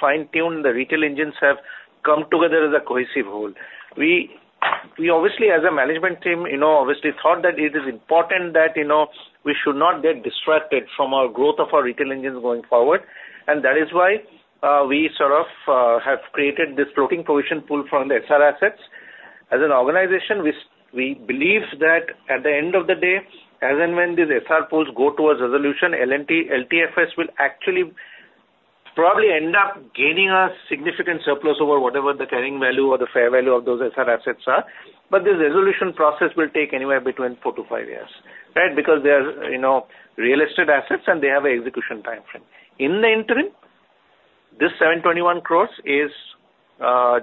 fine-tuned. The retail engines have come together as a cohesive whole. We obviously, as a management team, obviously thought that it is important that we should not get distracted from our growth of our retail engines going forward. And that is why we sort of have created this floating provision pool from the SR assets. As an organization, we believe that at the end of the day, as and when these SR pools go towards resolution, LTFS will actually probably end up gaining a significant surplus over whatever the carrying value or the fair value of those SR assets are. But this resolution process will take anywhere between 4-5 years, right, because they are real estate assets. And they have an execution time frame. In the interim, this 721 crore is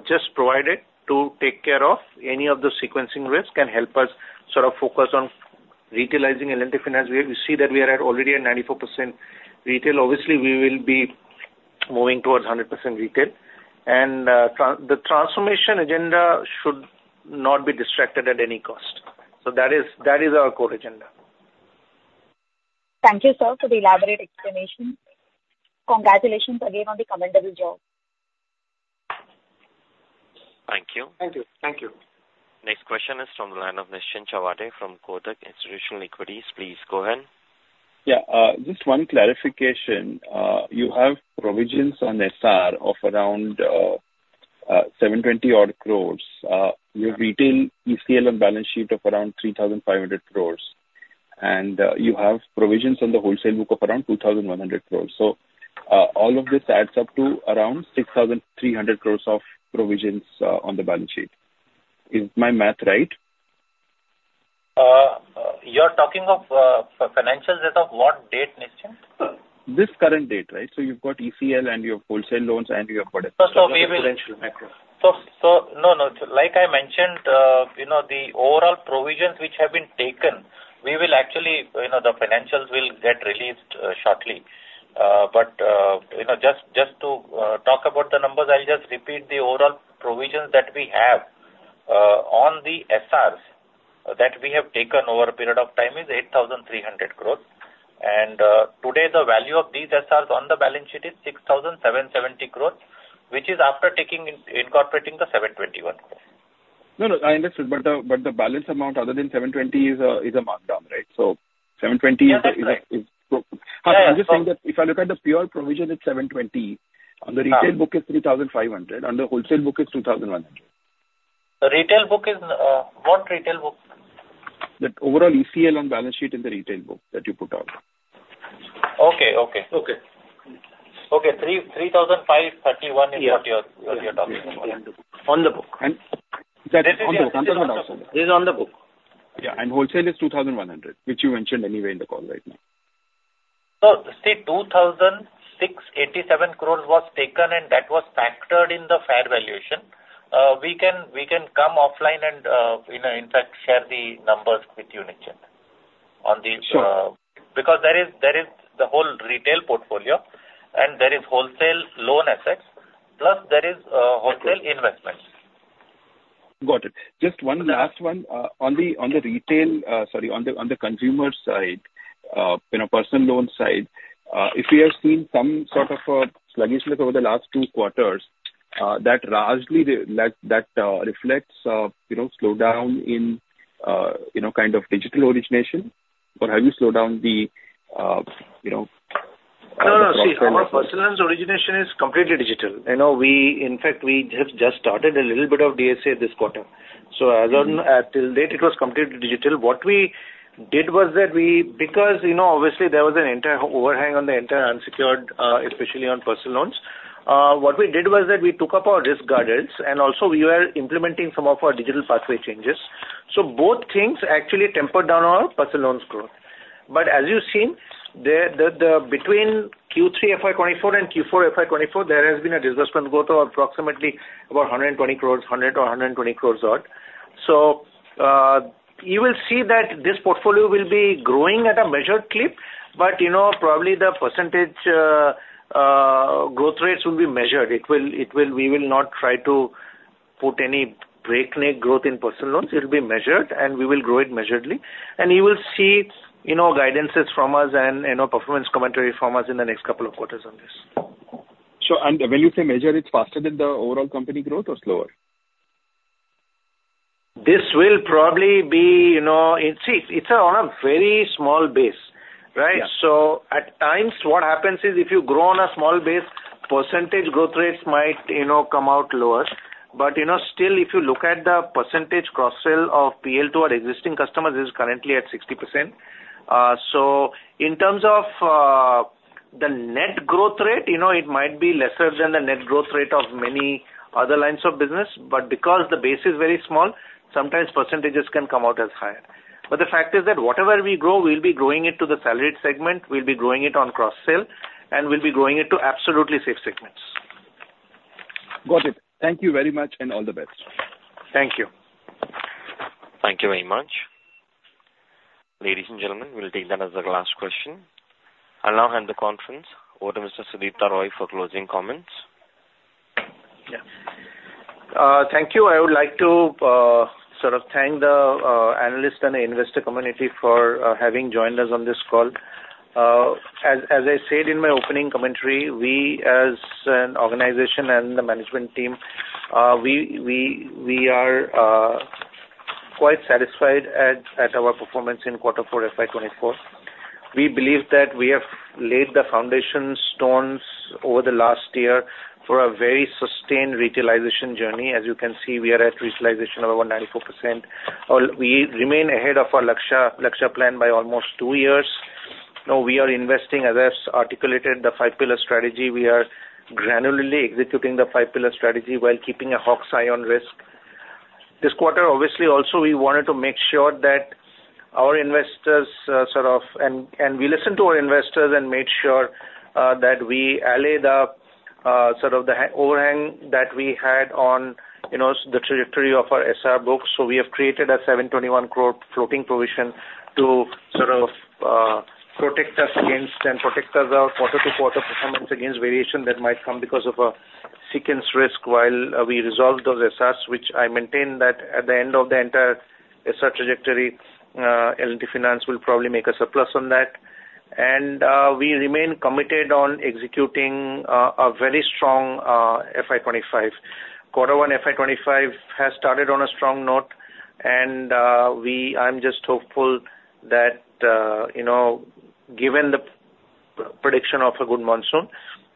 just provided to take care of any of the sequencing risk and help us sort of focus on retailizing L&T Finance. We see that we are already at 94% retail. Obviously, we will be moving towards 100% retail. And the transformation agenda should not be distracted at any cost. So that is our core agenda. Thank you, sir, for the elaborate explanation. Congratulations again on the commendable job. Thank you. Thank you. Thank you. Next question is from the line of Nischint Chawathe from Kotak Institutional Equities. Please go ahead. Yeah. Just one clarification. You have provisions on SR of around 720-odd crores. You have retail ECL on balance sheet of around 3,500 crores. And you have provisions on the wholesale book of around 2,100 crores. So all of this adds up to around 6,300 crores of provisions on the balance sheet. Is my math right? You're talking of financials as of what date, Nischint? This current date, right? So you've got ECL, and you have wholesale loans, and you have whatever. First of all, we will. So no, no. Like I mentioned, the overall provisions which have been taken, we will actually the financials will get released shortly. But just to talk about the numbers, I'll just repeat the overall provisions that we have. On the SRs that we have taken over a period of time is 8,300 crore. And today, the value of these SRs on the balance sheet is 6,770 crore, which is after incorporating the 721 crore. No, no. I understood. But the balance amount other than 720 is a markdown, right? So 720 is a. Yeah. I'm just saying that if I look at the pure provision, it's 720. On the retail book is 3,500. On the wholesale book is 2,100. The retail book is what retail book? The overall ECL on balance sheet in the retail book that you put out. Okay. Okay. Okay. Okay. 3,531 is what you're talking about. On the book. That is on the book. This is on the books. I'm talking about outside. This is on the book. Yeah. Wholesale is 2,100, which you mentioned anyway in the call right now. So, see, 2,687 crore was taken. That was factored in the fair valuation. We can come offline and, in fact, share the numbers with you, Nischint, because there is the whole retail portfolio. There is wholesale loan assets. There is wholesale investments. Got it. Just one last one. On the retail sorry, on the consumer side, personal loan side, if we have seen some sort of a sluggishness over the last two quarters, that reflects a slowdown in kind of digital origination? Or have you slowed down the processing? No, no. See, our personal loans origination is completely digital. In fact, we have just started a little bit of DSA this quarter. So till date, it was completely digital. What we did was that we because obviously, there was an entire overhang on the entire unsecured, especially on personal loans, what we did was that we took up our risk guardrails. And also, we were implementing some of our digital pathway changes. So both things actually tempered down our personal loans growth. But as you've seen, between Q3 FY24 and Q4 FY24, there has been a disbursement growth of approximately about 120 crore, 100 crore or 120 crore odd. So you will see that this portfolio will be growing at a measured clip. But probably, the percentage growth rates will be measured. We will not try to put any breakneck growth in personal loans. It will be measured. And we will grow it measuredly. And you will see guidances from us and performance commentary from us in the next couple of quar ters on this. So when you say measured, it's faster than the overall company growth or slower? This will probably, you see, it's on a very small base, right? So at times, what happens is if you grow on a small base, percentage growth rates might come out lower. But still, if you look at the percentage cross-sell of P&L to our existing customers, it is currently at 60%. So in terms of the net growth rate, it might be lesser than the net growth rate of many other lines of business. But because the base is very small, sometimes percentages can come out as higher. But the fact is that whatever we grow, we'll be growing it to the salaried segment. We'll be growing it on cross-sell. And we'll be growing it to absolutely safe segments. Got it. Thank you very much. And all the best. Thank you. Thank you very much. Ladies and gentlemen, we'll take that as the last question. I'll now hand the conference over to Mr. Sudipta Roy for closing comments. Yeah. Thank you. I would like to sort of thank the analysts and the investor community for having joined us on this call. As I said in my opening commentary, we, as an organization and the management team, we are quite satisfied at our performance in quarter four FY 2024. We believe that we have laid the foundation stones over the last year for a very sustained retailization journey. As you can see, we are at retailization of about 94%. We remain ahead of our Lakshya plan by almost two years. We are investing, as I articulated, the five-pillar strategy. We are granularly executing the five-pillar strategy while keeping a hawk's eye on risk. This quarter, obviously, also, we wanted to make sure that our investors sort of and we listened to our investors and made sure that we allayed sort of the overhang that we had on the trajectory of our SR book. So we have created a 721 crore floating provision to sort of protect us against and protect us our quarter-to-quarter performance against variation that might come because of a sequence risk while we resolve those SRs, which I maintain that at the end of the entire SR trajectory, L&T Finance will probably make a surplus on that. And we remain committed on executing a very strong FY25. Quarter one FY25 has started on a strong note. And I'm just hopeful that given the prediction of a good monsoon,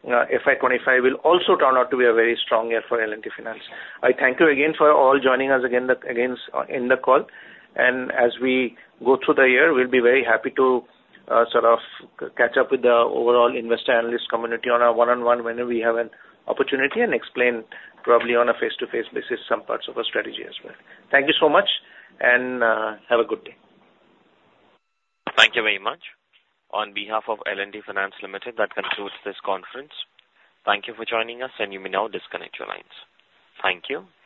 FY25 will also turn out to be a very strong year for L&T Finance. I thank you again for all joining us again in the call. And as we go through the year, we'll be very happy to sort of catch up with the overall investor analyst community on a one-on-one when we have an opportunity and explain probably on a face-to-face basis some parts of our strategy as well. Thank you so much. And have a good day. Thank you very much. On behalf of L&T Finance Limited, that concludes this conference. Thank you for joining us. You may now disconnect your lines. Thank you.